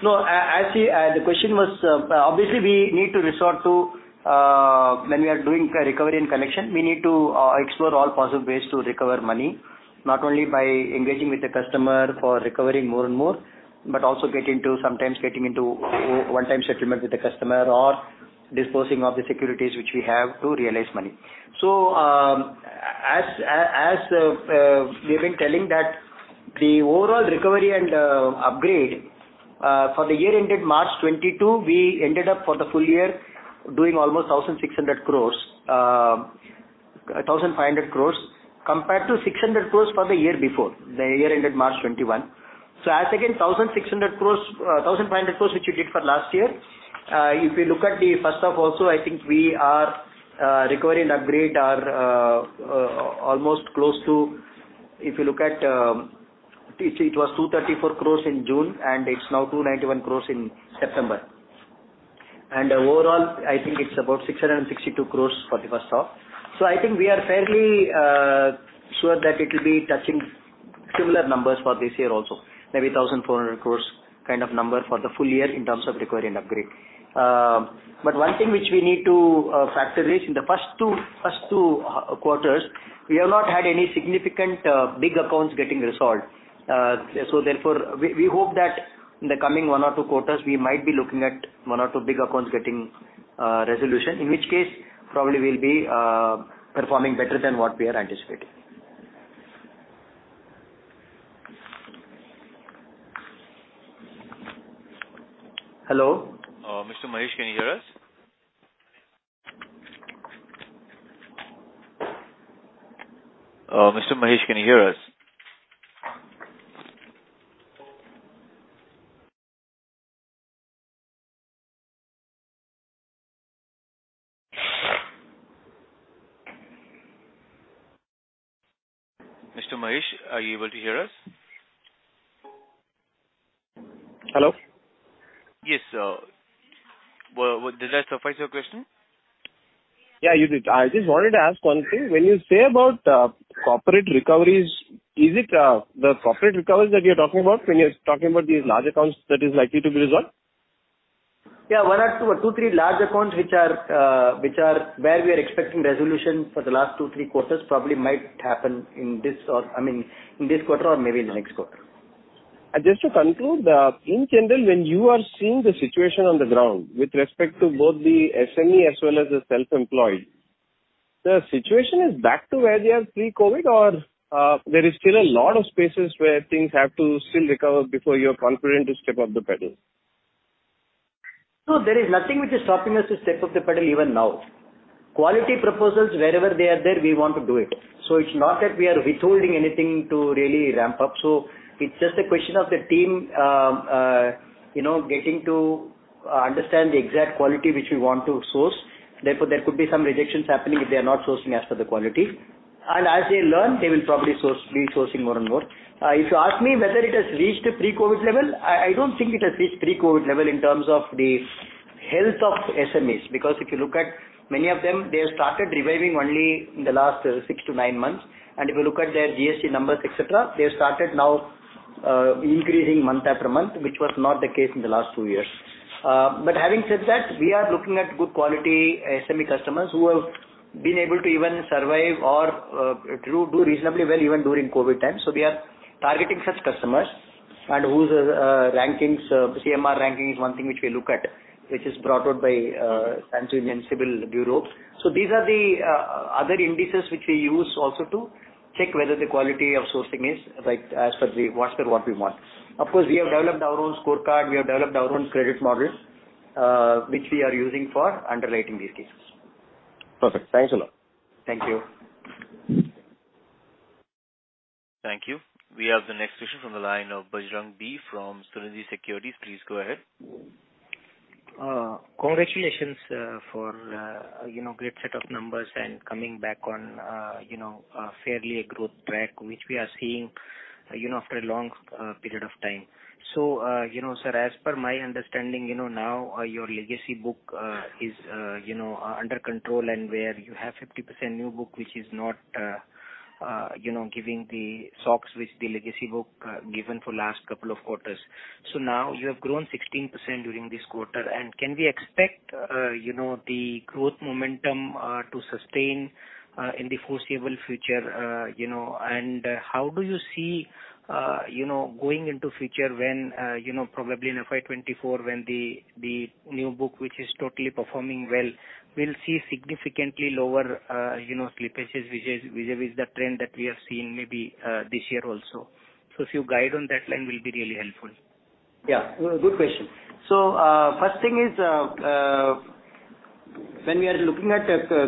Speaker 3: No, actually, the question was, obviously, we need to resort to... When we are doing recovery and collection, we need to explore all possible ways to recover money, not only by engaging with the customer for recovering more and more, but also get into sometimes getting into one-time settlement with the customer or disposing of the securities, which we have to realize money. So, as we've been telling that the overall recovery and upgrade, for the year ended March 2022, we ended up for the full year doing almost 1,600 crore, 1,500 crore, compared to 600 crore for the year before, the year ended March 2021. So as again, 1,600 crore, 1,500 crore, which we did for last year. If you look at the first half also, I think we are, recovery and upgrade are, almost close to, if you look at, it, it was 234 crore in June, and it's now 291 crore in September. And overall, I think it's about 662 crore for the first half. So I think we are fairly, sure that it will be touching similar numbers for this year also, maybe 1,400 crore kind of number for the full year in terms of recovery and upgrade. But one thing which we need to, factor is in the first two, first two, quarters, we have not had any significant, big accounts getting resolved. So therefore, we hope that in the coming one or two quarters, we might be looking at one or two big accounts getting resolution, in which case, probably we'll be performing better than what we are anticipating. Hello?
Speaker 1: Mr. Mahesh, can you hear us? Mr. Mahesh, can you hear us? Mr. Mahesh, are you able to hear us?
Speaker 7: Hello.
Speaker 1: Yes, well, did that suffice your question?
Speaker 7: Yeah, you did. I just wanted to ask one thing. When you say about corporate recoveries, is it the corporate recoveries that you're talking about when you're talking about these large accounts that is likely to be resolved?
Speaker 3: Yeah, 1 or 2-3 large accounts, which are where we are expecting resolution for the last 2-3 quarters, probably might happen in this or, I mean, in this quarter or maybe in the next quarter.
Speaker 7: Just to conclude, in general, when you are seeing the situation on the ground with respect to both the SME as well as the self-employed, the situation is back to where they are pre-COVID, or, there is still a lot of spaces where things have to still recover before you're confident to step up the pedal?
Speaker 3: No, there is nothing which is stopping us to step up the pedal even now. Quality proposals, wherever they are there, we want to do it. So it's not that we are withholding anything to really ramp up. So it's just a question of the team, you know, getting to understand the exact quality which we want to source. Therefore, there could be some rejections happening if they are not sourcing as per the quality. And as they learn, they will probably source, be sourcing more and more. If you ask me whether it has reached a pre-COVID level, I, I don't think it has reached pre-COVID level in terms of the health of SMEs, because if you look at many of them, they have started reviving only in the last six to nine months. If you look at their GST numbers, et cetera, they have started now increasing month after month, which was not the case in the last two years. But having said that, we are looking at good quality SME customers who have been able to even survive or do reasonably well, even during COVID time. So we are targeting such customers and whose rankings, CMR ranking is one thing which we look at, which is brought out by TransUnion CIBIL. So these are the other indices which we use also to check whether the quality of sourcing is right as per what we want. Of course, we have developed our own scorecard, we have developed our own credit models, which we are using for underwriting these cases.
Speaker 7: Perfect. Thanks a lot.
Speaker 3: Thank you.
Speaker 1: Thank you. We have the next question from the line of Bajrang B from Sunidhi Securities. Please go ahead.
Speaker 8: Congratulations, you know, for great set of numbers and coming back on, you know, a fairly growth track, which we are seeing, you know, after a long period of time. So, you know, sir, as per my understanding, you know, now your legacy book is, you know, under control, and where you have 50% new book, which is not, you know, giving the shocks which the legacy book given for last couple of quarters. So now you have grown 16% during this quarter, and can we expect, you know, the growth momentum to sustain in the foreseeable future? You know, and you know, going into future when you know, probably in FY 2024, when the new book, which is totally performing well, will see significantly lower you know, slippages, which is the trend that we are seeing maybe this year also. So if you guide on that line will be really helpful.
Speaker 3: Yeah, good question. So, first thing is, when we are looking at,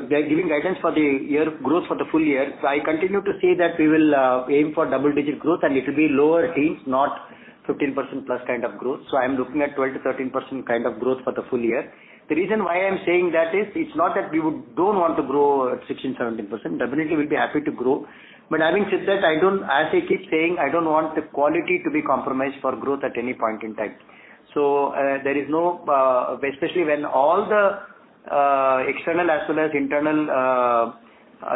Speaker 3: giving guidance for the year growth for the full year, so I continue to see that we will, aim for double-digit growth, and it will be lower range, not 15%+ kind of growth. So I am looking at 12%-13% kind of growth for the full year. The reason why I'm saying that is, it's not that we don't want to grow at 16%, 17%. Definitely, we'll be happy to grow. But having said that, I don't... As I keep saying, I don't want the quality to be compromised for growth at any point in time. So, there is no, especially when all the external as well as internal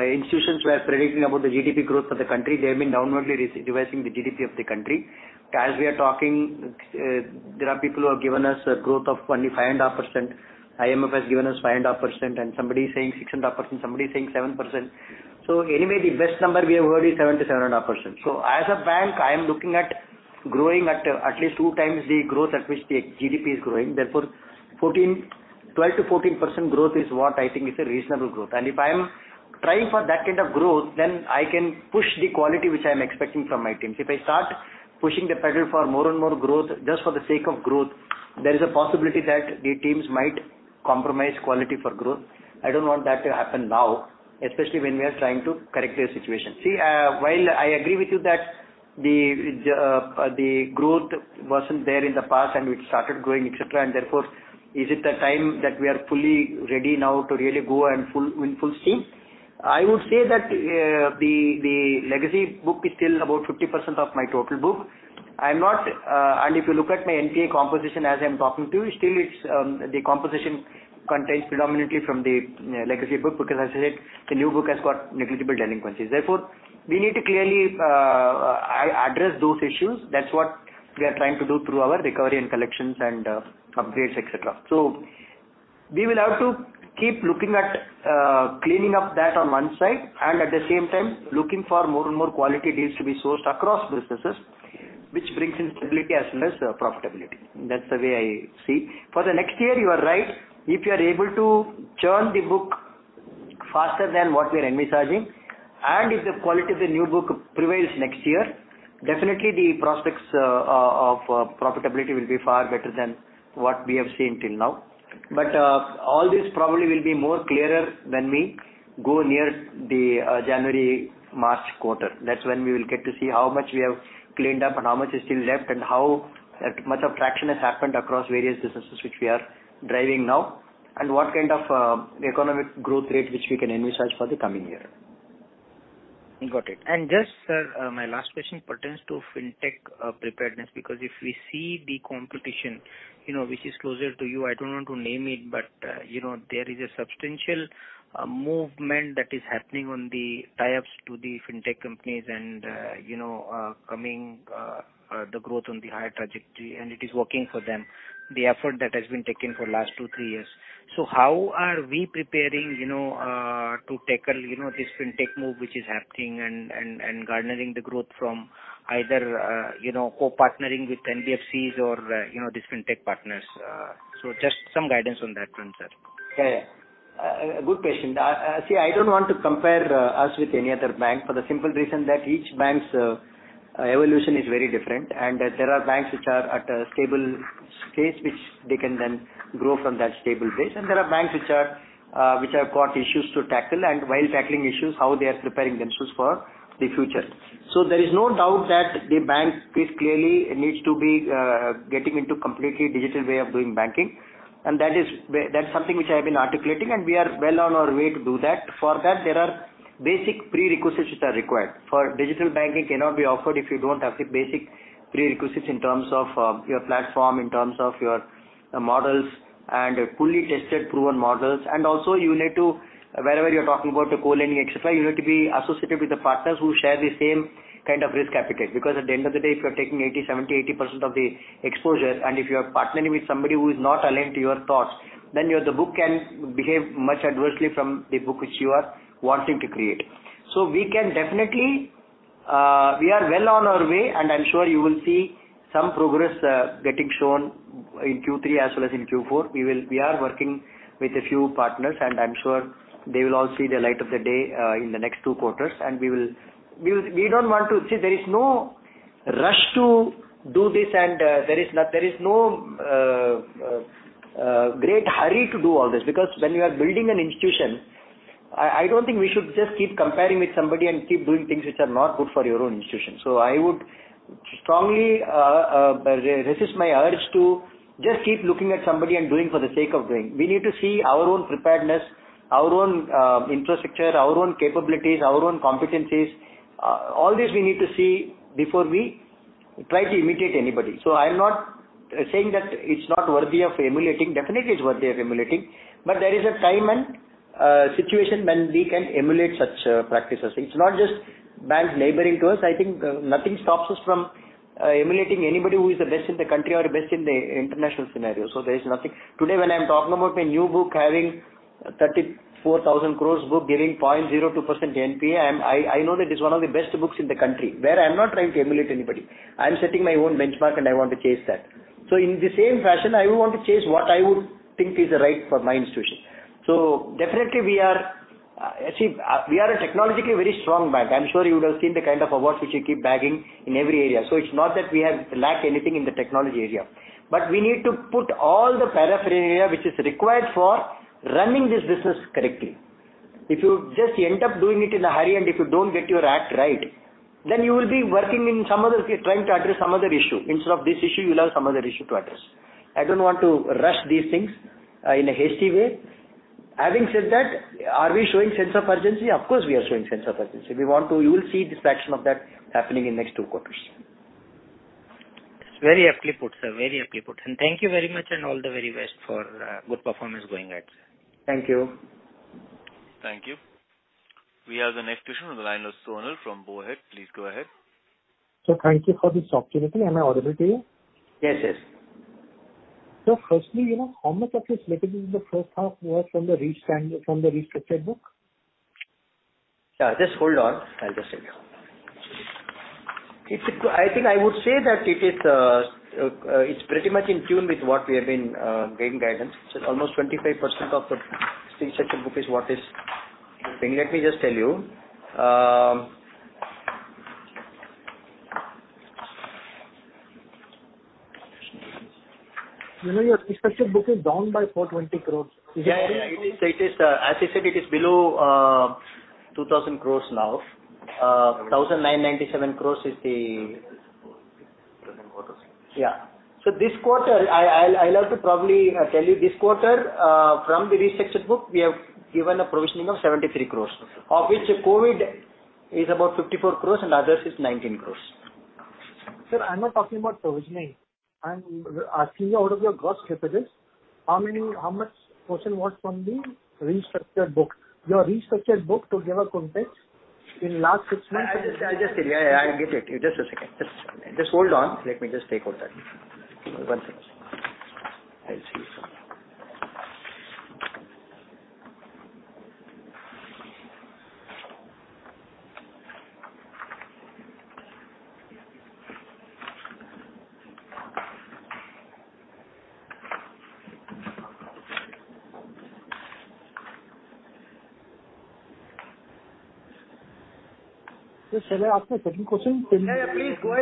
Speaker 3: institutions were predicting about the GDP growth for the country, they have been downwardly re-revising the GDP of the country. As we are talking, there are people who have given us a growth of only 5.5%. IMF has given us 5.5%, and somebody is saying 6.5%, somebody is saying 7%. So anyway, the best number we have heard is 7%-7.5%. So as a bank, I am looking at growing at, at least 2 times the growth at which the GDP is growing. Therefore, 14, 12-14% growth is what I think is a reasonable growth. And if I am trying for that kind of growth, then I can push the quality which I am expecting from my teams. If I start pushing the pedal for more and more growth, just for the sake of growth, there is a possibility that the teams might compromise quality for growth. I don't want that to happen now, especially when we are trying to correct the situation. See, while I agree with you that the growth wasn't there in the past and which started growing, et cetera, and therefore, is it the time that we are fully ready now to really go and full in full steam? I would say that the legacy book is still about 50% of my total book. I'm not... If you look at my NPA composition as I'm talking to you, still it's the composition contains predominantly from the legacy book, because as I said, the new book has got negligible delinquencies. Therefore, we need to clearly address those issues. That's what we are trying to do through our recovery and collections and upgrades, et cetera. So we will have to keep looking at cleaning up that on one side and at the same time, looking for more and more quality deals to be sourced across businesses, which brings in stability as well as profitability. That's the way I see. For the next year, you are right. If you are able to churn the book faster than what we are envisaging, and if the quality of the new book prevails next year, definitely the prospects of profitability will be far better than what we have seen till now. But all this probably will be more clearer when we go near the January-March quarter. That's when we will get to see how much we have cleaned up and how much is still left, and how that much of traction has happened across various businesses which we are driving now, and what kind of economic growth rate which we can envisage for the coming year.
Speaker 8: Got it. And just, sir, my last question pertains to fintech, preparedness, because if we see the competition, you know, which is closer to you, I don't want to name it, but, you know, there is a substantial, movement that is happening on the tie-ups to the fintech companies and, you know, the growth on the higher trajectory, and it is working for them, the effort that has been taken for last two, three years. So how are we preparing, you know, to tackle, you know, this fintech move, which is happening and, and, and garnering the growth from either, you know, co-partnering with NBFCs or, you know, different tech partners? So just some guidance on that one, sir.
Speaker 3: Yeah, yeah. Good question. See, I don't want to compare us with any other bank for the simple reason that each bank's evolution is very different, and there are banks which are at a stable stage, which they can then grow from that stable base. And there are banks which have got issues to tackle, and while tackling issues, how they are preparing themselves for the future. So there is no doubt that the bank clearly needs to be getting into completely digital way of doing banking, and that is where—that's something which I have been articulating, and we are well on our way to do that. For that, there are basic prerequisites which are required. For digital banking cannot be offered if you don't have the basic prerequisites in terms of your platform, in terms of your models and fully tested, proven models. And also, you need to, wherever you're talking about the co-lending, et cetera, you need to be associated with the partners who share the same kind of risk appetite. Because at the end of the day, if you are taking 80, 70, 80% of the exposure, and if you are partnering with somebody who is not aligned to your thoughts, then your, the book can behave much adversely from the book which you are wanting to create. So we can definitely. We are well on our way, and I'm sure you will see some progress getting shown in Q3 as well as in Q4. We are working with a few partners, and I'm sure they will all see the light of the day in the next two quarters. And we don't want to. See, there is no rush to do this, and there is no great hurry to do all this. Because when you are building an institution, I don't think we should just keep comparing with somebody and keep doing things which are not good for your own institution. So I would strongly resist my urge to just keep looking at somebody and doing for the sake of doing. We need to see our own preparedness, our own infrastructure, our own capabilities, our own competencies, all this we need to see before we try to imitate anybody. So I'm not saying that it's not worthy of emulating. Definitely, it's worthy of emulating, but there is a time and, situation when we can emulate such, practices. It's not just banks neighboring to us. I think, nothing stops us from, emulating anybody who is the best in the country or best in the international scenario. So there is nothing. Today, when I'm talking about my new book having 34,000 crore book, giving 0.02% NPA, and I, I know that it's one of the best books in the country, where I'm not trying to emulate anybody. I'm setting my own benchmark, and I want to chase that. So in the same fashion, I would want to chase what I would think is right for my institution. So definitely, we are, see, we are a technologically very strong bank. I'm sure you would have seen the kind of awards which we keep bagging in every area. So it's not that we have lacked anything in the technology area. But we need to put all the paraphernalia which is required for running this business correctly. If you just end up doing it in a hurry, and if you don't get your act right, then you will be working in some other... Trying to address some other issue. Instead of this issue, you will have some other issue to address. I don't want to rush these things in a hasty way. Having said that, are we showing sense of urgency? Of course, we are showing sense of urgency. We want to... You will see the fraction of that happening in next two quarters.
Speaker 8: It's very aptly put, sir. Very aptly put. And thank you very much, and all the very best for good performance going ahead, sir.
Speaker 3: Thank you.
Speaker 1: Thank you. We have the next question on the line of Sonaal from Bowhead. Please go ahead.
Speaker 9: Thank you for this opportunity. Am I audible to you?
Speaker 3: Yes, yes.
Speaker 9: So firstly, you know, how much of this slippage in the first half was from the restructured book?
Speaker 3: Just hold on. I'll just check. It's, I think I would say that it is, it's pretty much in tune with what we have been giving guidance. So almost 25% of the structured book is what is... Let me just tell you.
Speaker 9: You know, your structured book is down by 420 crore.
Speaker 3: Yeah, yeah. It is, it is, as I said, it is below 2,000 crore now. 1,997 crore is the- Yeah. So this quarter, I'll have to probably tell you, this quarter, from the restructured book, we have given a provisioning of 73 crore, of which COVID is about 54 crore and others is 19 crore.
Speaker 9: Sir, I'm not talking about provisioning. I'm asking you, out of your gross slippages, how many, how much portion was from the restructured book? Your restructured book, to give a context, in last six months-
Speaker 3: I'll just tell you. I get it. Just a second. Just hold on. Let me just take out that. One second. I'll see you.
Speaker 9: Sir, shall I ask my second question?
Speaker 3: Yeah, yeah, please go ahead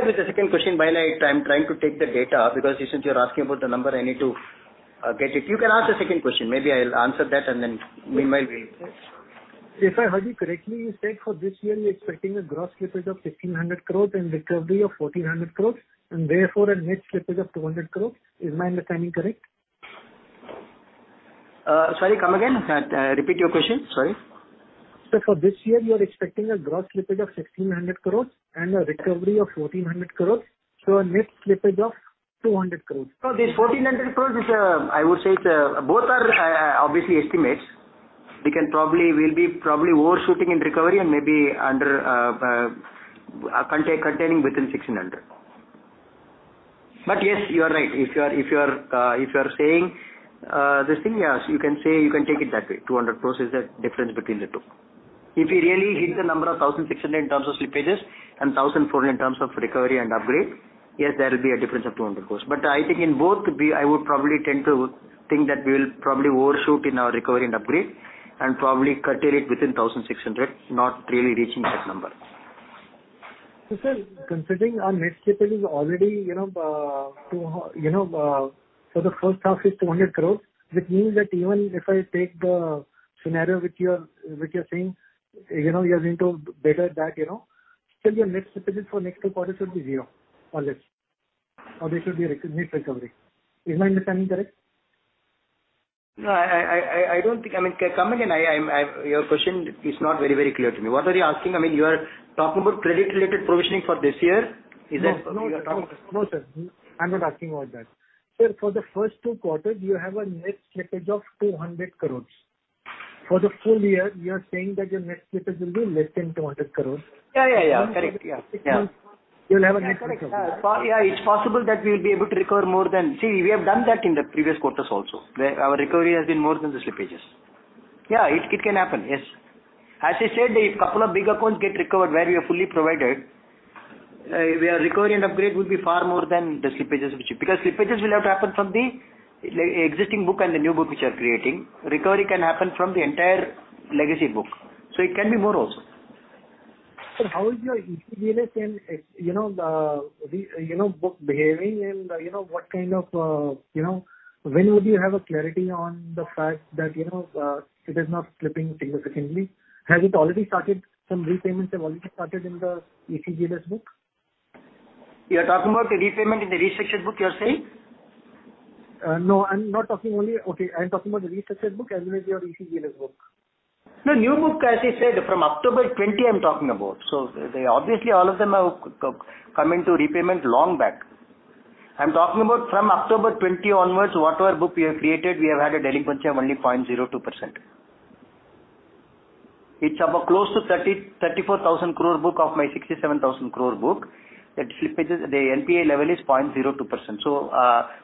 Speaker 3: with the second question while I... I'm trying to take the data, because since you're asking about the number, I need to get it. You can ask the second question. Maybe I'll answer that, and then meanwhile we-
Speaker 9: If I heard you correctly, you said for this year, you're expecting a gross slippage of 1,600 crore and recovery of 1,400 crore, and therefore a net slippage of 200 crore. Is my understanding correct?
Speaker 3: Sorry, come again. Repeat your question. Sorry.
Speaker 9: Sir, for this year, you are expecting a gross slippage of 1,600 crore and a recovery of 1,400 crore, so a net slippage of 200 crore.
Speaker 3: No, this 1,400 crore is, I would say it's, both are, obviously estimates. We can probably, we'll be probably overshooting in recovery and maybe under, contain, containing within 1,600. But yes, you are right. If you are, if you are, saying, this thing, yes, you can say, you can take it that way. 200 crore is the difference between the two. If we really hit the number of 1,600 in terms of slippages and 1,400 in terms of recovery and upgrade, yes, there will be a difference of 200 crore. But I think in both, we, I would probably tend to think that we will probably overshoot in our recovery and upgrade and probably curtail it within 1,600, not really reaching that number.
Speaker 9: So, sir, considering our net slippage is already, you know, for the first half is 200 crore, which means that even if I take the scenario which you are, which you're saying, you know, you are going to better that, you know, still your net slippage for next two quarters will be zero or less, or there should be net recovery. Is my understanding correct?
Speaker 3: No, I don't think... I mean, come again, I'm... Your question is not very, very clear to me. What are you asking? I mean, you are talking about credit-related provisioning for this year? Is that-
Speaker 9: No, no, sir.
Speaker 3: You are talking about-
Speaker 9: No, sir, I'm not asking about that. Sir, for the first two quarters, you have a net slippage of 200 crore. For the full year, you are saying that your net slippage will be less than 200 crore.
Speaker 3: Yeah, yeah, yeah. Correct. Yeah, yeah.
Speaker 9: You'll have a net recovery.
Speaker 3: Yeah, it's possible that we'll be able to recover more than... See, we have done that in the previous quarters also, where our recovery has been more than the slippages.... Yeah, it can happen, yes. As I said, if a couple of big accounts get recovered where we have fully provided, where recovery and upgrade will be far more than the slippages, which—because slippages will have to happen from the existing book and the new book which you are creating. Recovery can happen from the entire legacy book, so it can be more also.
Speaker 9: Sir, how is your ECLGS and, you know, the book behaving, and, you know, what kind of, you know, when would you have a clarity on the fact that, you know, it is not slipping significantly? Has it already started? Some repayments have already started in the ECLGS book.
Speaker 3: You're talking about the repayment in the restructured book, you are saying?
Speaker 9: No, I'm not talking only... Okay, I'm talking about the restructured book as well as your ECLGS book.
Speaker 3: The new book, as I said, from October 2020, I'm talking about. So the, obviously, all of them have come into repayments long back. I'm talking about from October 2020 onwards, whatever book we have created, we have had a delinquency of only 0.02%. It's about close to 34,000 crore book out of my 67,000 crore book, that slippages, the NPA level is 0.02%. So,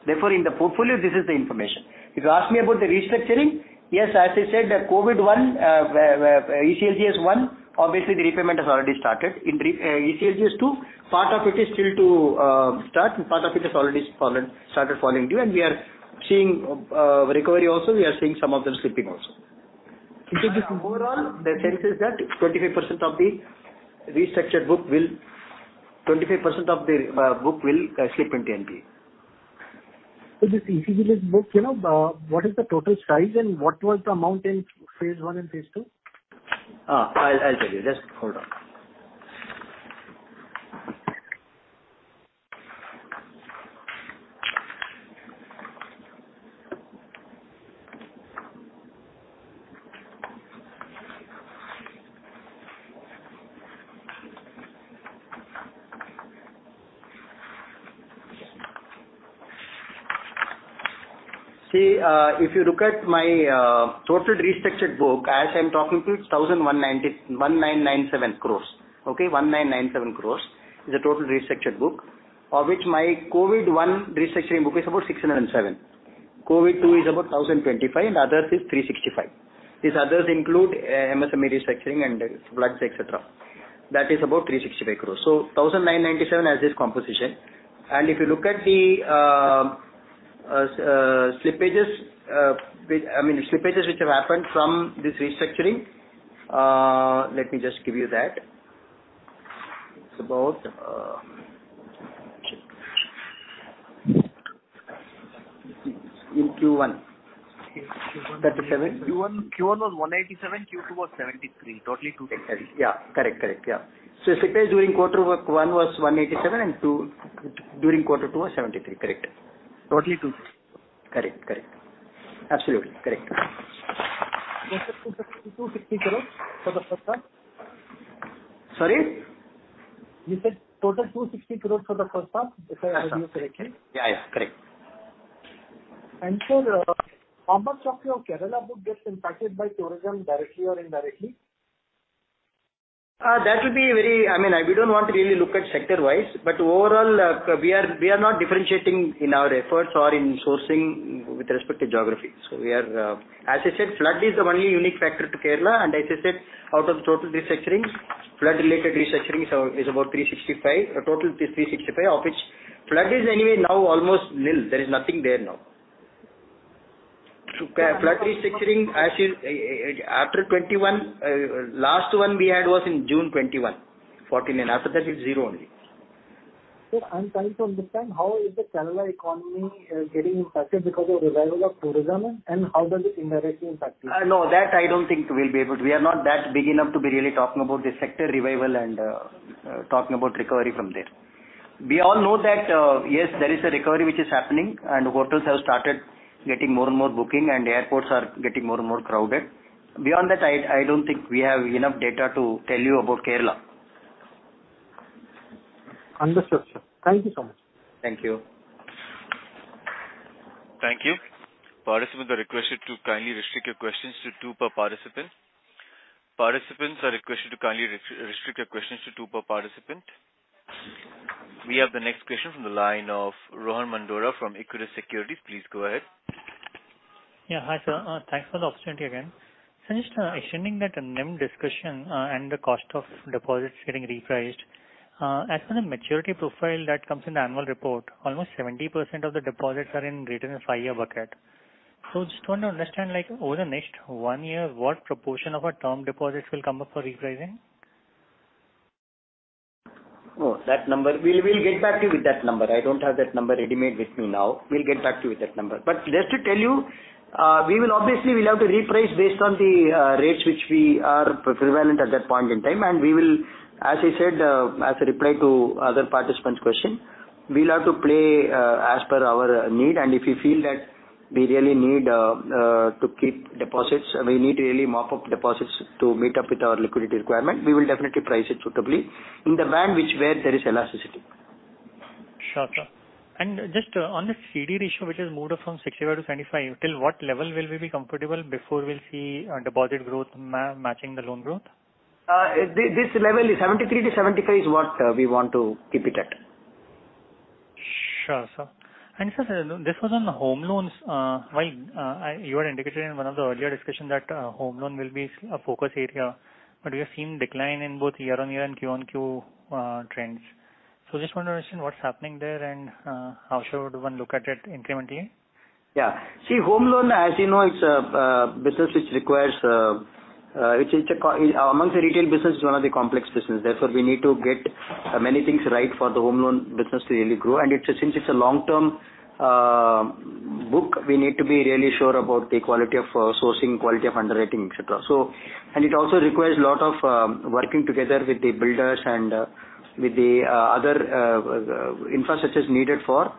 Speaker 3: therefore, in the portfolio, this is the information. If you ask me about the restructuring, yes, as I said, the COVID one, ECLGS one, obviously the repayment has already started. In ECLGS two, part of it is still to start, and part of it has already fallen, started falling due, and we are seeing recovery also, we are seeing some of them slipping also.
Speaker 9: So just-
Speaker 3: Overall, the sense is that 25% of the restructured book will... 25% of the book will slip into NPA.
Speaker 9: So this ECLGS book, you know, what is the total size and what was the amount in phase one and phase two?
Speaker 3: I'll tell you. Just hold on. See, if you look at my total restructured book, as I'm talking to you, it's 1,997 crore, okay? 1,997 crore is the total restructured book, of which my COVID one restructuring book is about 607 crore. COVID two is about 1,025 crore, and others is 365 crore. These others include MSME restructuring and floods, et cetera. That is about 365 crore. So 1,997 crore has this composition. If you look at the slippages, which, I mean, slippages which have happened from this restructuring, let me just give you that. It's about, in Q1, 37.
Speaker 9: Q1, Q1 was 187, Q2 was 73. Totally 260.
Speaker 3: Yeah. Correct, correct, yeah. So slippage during quarter one was 187, and two, during quarter two was 73, correct.
Speaker 9: Totally 260.
Speaker 3: Correct, correct. Absolutely, correct.
Speaker 9: Total INR 260 crore for the first half?
Speaker 3: Sorry?
Speaker 9: You said total INR 260 crore for the first half, if I heard you correctly.
Speaker 3: Yeah, yes. Correct.
Speaker 9: Sir, how much of your Kerala book gets impacted by tourism, directly or indirectly?
Speaker 3: That will be very... I mean, I, we don't want to really look at sector-wise, but overall, we are, we are not differentiating in our efforts or in sourcing with respect to geography. So we are, as I said, flood is the only unique factor to Kerala, and as I said, out of the total restructurings, flood-related restructuring is, is about 365. Total is 365, of which flood is anyway now almost nil. There is nothing there now. So flood restructuring, as is, after 2021, last one we had was in June 2021, 14 and after that it's zero only.
Speaker 9: Sir, I'm trying to understand how is the Kerala economy getting impacted because of revival of tourism and how does it indirectly impact you?
Speaker 3: No, that I don't think we'll be able to. We are not that big enough to be really talking about the sector revival and talking about recovery from there. We all know that, yes, there is a recovery which is happening, and hotels have started getting more and more booking, and airports are getting more and more crowded. Beyond that, I don't think we have enough data to tell you about Kerala.
Speaker 9: Understood, sir. Thank you so much.
Speaker 3: Thank you.
Speaker 1: Thank you. Participants are requested to kindly restrict your questions to two per participant. Participants are requested to kindly restrict your questions to two per participant. We have the next question from the line of Rohan Mandora from Equirus Securities. Please go ahead.
Speaker 4: Yeah, hi, sir. Thanks for the opportunity again. So just, assuming that the NIM discussion and the cost of deposits getting repriced, as per the maturity profile that comes in the annual report, almost 70% of the deposits are in greater than five-year bucket. So just want to understand, like, over the next one year, what proportion of our term deposits will come up for repricing?
Speaker 3: Oh, that number, we'll, we'll get back to you with that number. I don't have that number ready-made with me now. We'll get back to you with that number. But just to tell you, we will obviously will have to reprice based on the rates which we are prevalent at that point in time, and we will... As I said, as a reply to other participant's question, we'll have to play as per our need, and if you feel that we really need to keep deposits, we need to really mop up deposits to meet up with our liquidity requirement, we will definitely price it suitably in the band which where there is elasticity.
Speaker 4: Sure, sir. Just, on the CD ratio, which has moved up from 65 to 75, till what level will we be comfortable before we'll see a deposit growth matching the loan growth?
Speaker 3: This level is 73-75 is what we want to keep it at....
Speaker 4: Sure, sir. And sir, this was on the home loans, while you had indicated in one of the earlier discussions that home loan will be a focus area, but we have seen decline in both year-on-year and Q-on-Q trends. So just want to understand what's happening there, and how should one look at it incrementally?
Speaker 3: Yeah. See, home loan, as you know, it's a business which requires, which is amongst the retail business, is one of the complex business. Therefore, we need to get many things right for the home loan business to really grow. And it's, since it's a long-term book, we need to be really sure about the quality of sourcing, quality of underwriting, et cetera. So, and it also requires a lot of working together with the builders and with the other infrastructures needed for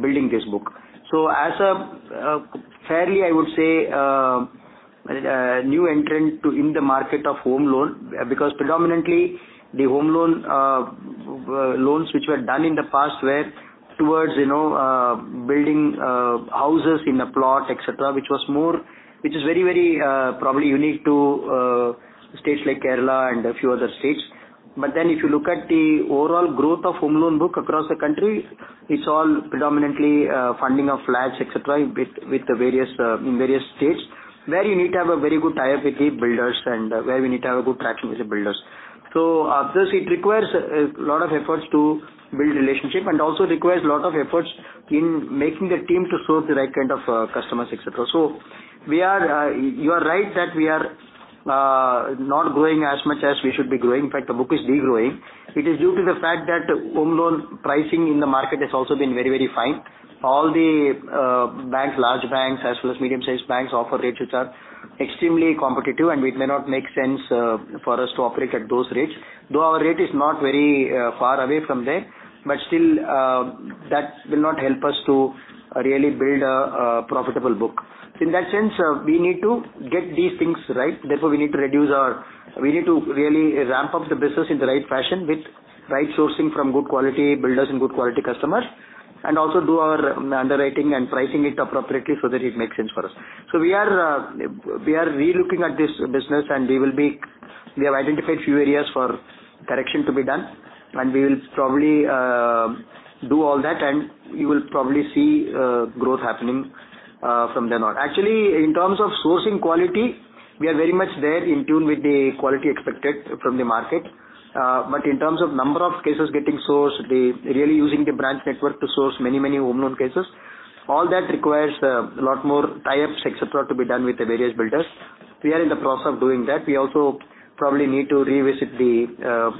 Speaker 3: building this book. So as a fairly, I would say, new entrant to in the market of home loan, because predominantly the home loan loans which were done in the past were towards, you know, building houses in a plot, et cetera, which was more... Which is very, very, probably unique to, states like Kerala and a few other states. But then if you look at the overall growth of home loan book across the country, it's all predominantly, funding of flats, et cetera, with, with the various, in various states, where you need to have a very good tie-up with the builders and where we need to have a good traction with the builders. So, this, it requires a lot of efforts to build relationship and also requires a lot of efforts in making the team to source the right kind of, customers, et cetera. So we are, you are right that we are, not growing as much as we should be growing. In fact, the book is de-growing. It is due to the fact that home loan pricing in the market has also been very, very fine. All the, banks, large banks, as well as medium-sized banks, offer rates which are extremely competitive, and it may not make sense, for us to operate at those rates. Though our rate is not very, far away from there, but still, that will not help us to really build a, a profitable book. In that sense, we need to get these things right. Therefore, we need to reduce our... We need to really ramp up the business in the right fashion with right sourcing from good quality builders and good quality customers, and also do our underwriting and pricing it appropriately so that it makes sense for us. So we are relooking at this business, and we have identified a few areas for correction to be done, and we will probably do all that, and you will probably see growth happening from then on. Actually, in terms of sourcing quality, we are very much there in tune with the quality expected from the market. But in terms of number of cases getting sourced, we're really using the branch network to source many, many home loan cases, all that requires a lot more tie-ups, et cetera, to be done with the various builders. We are in the process of doing that. We also probably need to revisit the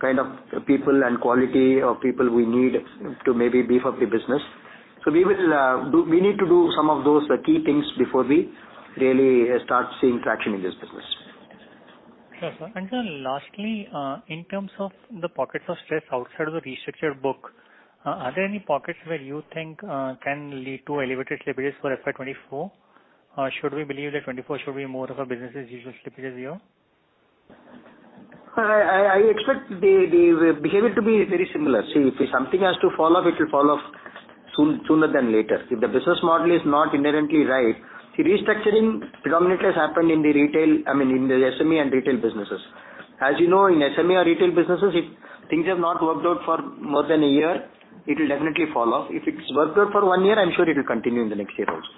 Speaker 3: kind of people and quality of people we need to maybe beef up the business. So we will do... We need to do some of those key things before we really start seeing traction in this business.
Speaker 4: Sure, sir. And sir, lastly, in terms of the pockets of stress outside of the restructured book, are there any pockets where you think, can lead to elevated slippages for FY 2024? Or should we believe that 2024 should be more of a business as usual slippage year?
Speaker 3: I expect the behavior to be very similar. See, if something has to fall off, it will fall off soon, sooner than later. If the business model is not inherently right, see, restructuring predominantly has happened in the retail, I mean, in the SME and retail businesses. As you know, in SME or retail businesses, if things have not worked out for more than a year, it will definitely fall off. If it's worked out for one year, I'm sure it will continue in the next year also.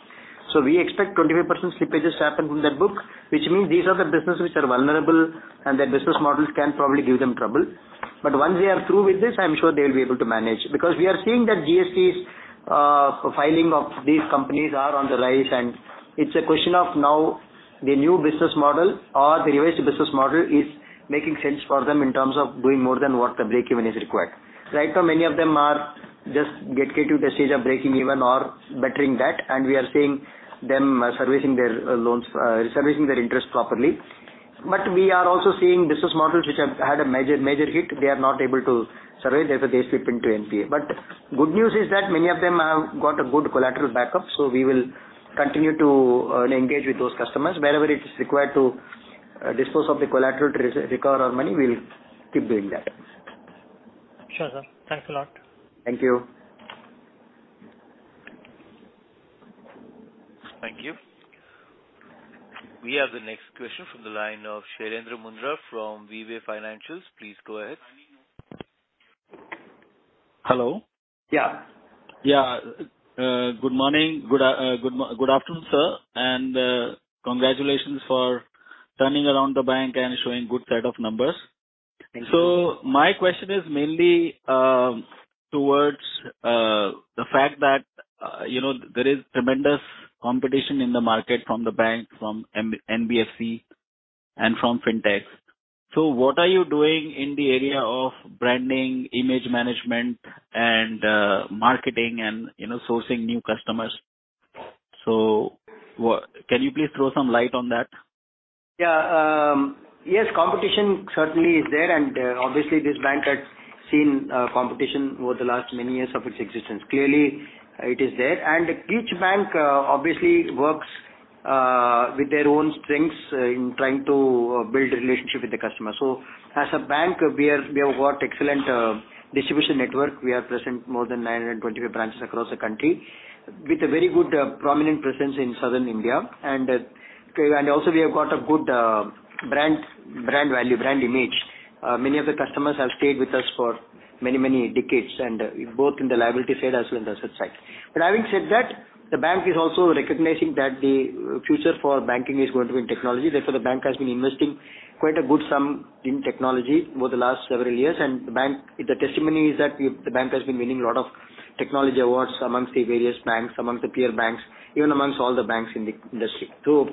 Speaker 3: So we expect 25% slippages to happen from that book, which means these are the businesses which are vulnerable, and their business models can probably give them trouble. But once they are through with this, I'm sure they will be able to manage. Because we are seeing that GSTs, profiling of these companies are on the rise, and it's a question of now the new business model or the revised business model is making sense for them in terms of doing more than what the break-even is required. Right now, many of them are just get to the stage of breaking even or bettering that, and we are seeing them servicing their loans, servicing their interest properly. But we are also seeing business models which have had a major, major hit. They are not able to survive, therefore, they slip into NPA. But good news is that many of them have got a good collateral backup, so we will continue to engage with those customers. Wherever it is required to dispose of the collateral to recover our money, we will keep doing that.
Speaker 4: Sure, sir. Thanks a lot.
Speaker 3: Thank you.
Speaker 1: Thank you. We have the next question from the line of Shailendra Mundra from Veba Financials. Please go ahead.
Speaker 10: Hello?
Speaker 3: Yeah.
Speaker 10: Yeah. Good morning, good afternoon, sir, and congratulations for turning around the bank and showing good set of numbers.
Speaker 3: Thank you.
Speaker 10: So my question is mainly towards the fact that, you know, there is tremendous competition in the market from the bank, from NBFC and from Fintech. So what are you doing in the area of branding, image management, and marketing and, you know, sourcing new customers? So what... Can you please throw some light on that?
Speaker 3: Yeah, yes, competition certainly is there, and obviously, this bank has seen competition over the last many years of its existence. Clearly, it is there, and each bank obviously works with their own strengths in trying to build a relationship with the customer. So as a bank, we have got excellent distribution network. We are present more than 925 branches across the country. With a very good prominent presence in southern India, and also we have got a good brand value, brand image. Many of the customers have stayed with us for many decades, and both in the liability side as well as in the asset side. But having said that, the bank is also recognizing that the future for banking is going to be in technology. Therefore, the bank has been investing quite a good sum in technology over the last several years, and the bank, the testimony is that the bank has been winning a lot of technology awards amongst the various banks, amongst the peer banks, even amongst all the banks in the industry. So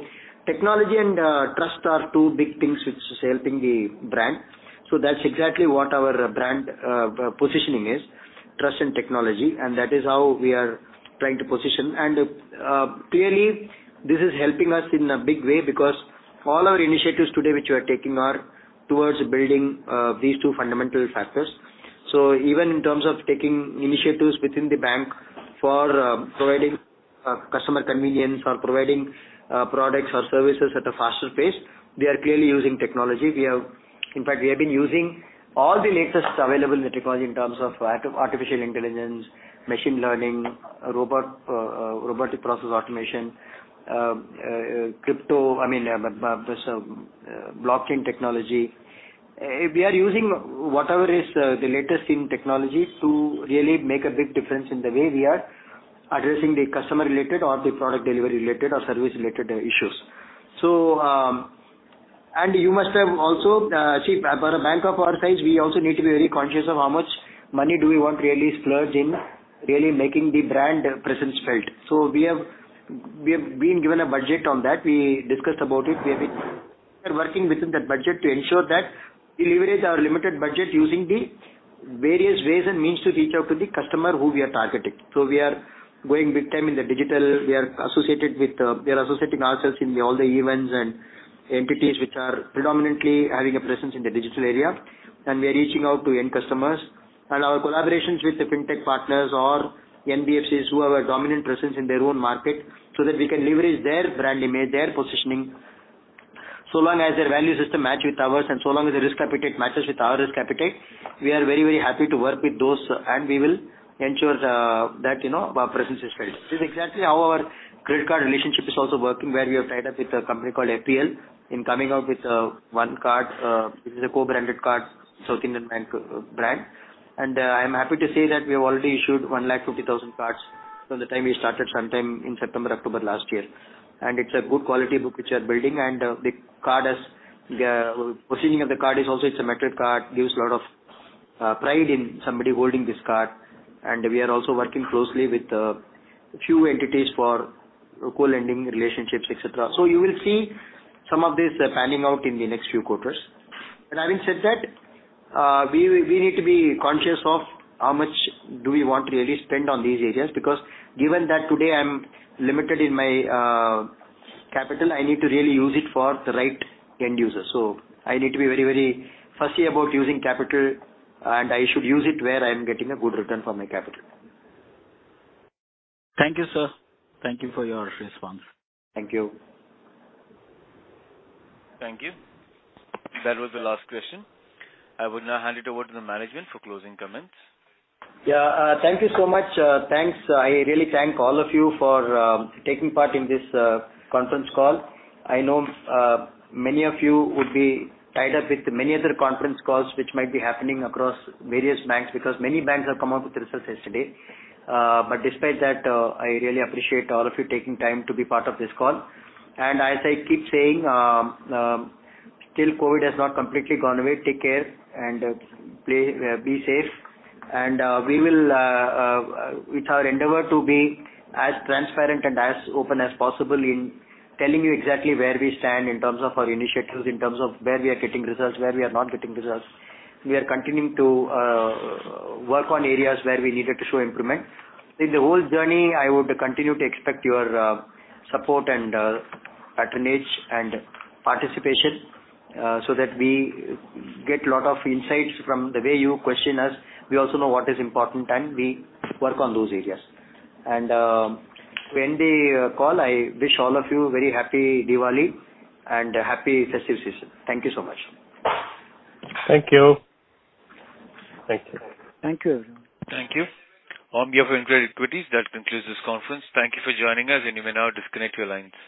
Speaker 3: technology and trust are two big things which is helping the brand. So that's exactly what our brand positioning is, trust and technology, and that is how we are trying to position. And clearly, this is helping us in a big way because all our initiatives today, which we are taking, are towards building these two fundamental factors. So even in terms of taking initiatives within the bank for providing customer convenience or providing products or services at a faster pace, we are clearly using technology. We have... In fact, we have been using all the latest available technology in terms of artificial intelligence, machine learning, robotic process automation, I mean, blockchain technology. We are using whatever is the latest in technology to really make a big difference in the way we are addressing the customer-related or the product delivery-related or service-related issues. So, and you must have also seen, for a bank of our size, we also need to be very conscious of how much money do we want to really splurge in really making the brand presence felt. So we have been given a budget on that. We discussed about it. We have been working within that budget to ensure that we leverage our limited budget using the various ways and means to reach out to the customer who we are targeting. We are going big time in the digital. We are associated with, we are associating ourselves in all the events and entities which are predominantly having a presence in the digital area, and we are reaching out to end customers. Our collaborations with the fintech partners or NBFCs, who have a dominant presence in their own market, so that we can leverage their brand image, their positioning. So long as their value system match with ours, and so long as their risk appetite matches with our risk appetite, we are very, very happy to work with those, and we will ensure, that, you know, our presence is felt. This is exactly how our credit card relationship is also working, where we have tied up with a company called FPL in coming out with, OneCard, which is a co-branded card, South Indian Bank brand. I'm happy to say that we have already issued 150,000 cards from the time we started, sometime in September, October last year. It's a good quality book which we are building, and the card has positioning of the card is also, it's a metallic card, gives a lot of pride in somebody holding this card. We are also working closely with a few entities for co-lending relationships, et cetera. So you will see some of this panning out in the next few quarters. But having said that, we need to be conscious of how much do we want to really spend on these areas, because given that today I am limited in my capital, I need to really use it for the right end user. I need to be very, very fussy about using capital, and I should use it where I am getting a good return for my capital.
Speaker 10: Thank you, sir. Thank you for your response.
Speaker 3: Thank you.
Speaker 1: Thank you. That was the last question. I would now hand it over to the management for closing comments.
Speaker 3: Yeah, thank you so much. Thanks. I really thank all of you for taking part in this conference call. I know many of you would be tied up with many other conference calls, which might be happening across various banks, because many banks have come out with results yesterday. But despite that, I really appreciate all of you taking time to be part of this call. And as I keep saying, still, COVID has not completely gone away. Take care and play, be safe. And we will with our endeavor to be as transparent and as open as possible in telling you exactly where we stand in terms of our initiatives, in terms of where we are getting results, where we are not getting results. We are continuing to work on areas where we needed to show improvement. In the whole journey, I would continue to expect your support and patronage and participation, so that we get lot of insights from the way you question us. We also know what is important, and we work on those areas. To end the call, I wish all of you a very happy Diwali and a happy festive season. Thank you so much.
Speaker 10: Thank you.
Speaker 1: Thank you.
Speaker 10: Thank you, everyone.
Speaker 1: Thank you. On behalf of InCred Equities, that concludes this conference. Thank you for joining us, and you may now disconnect your lines.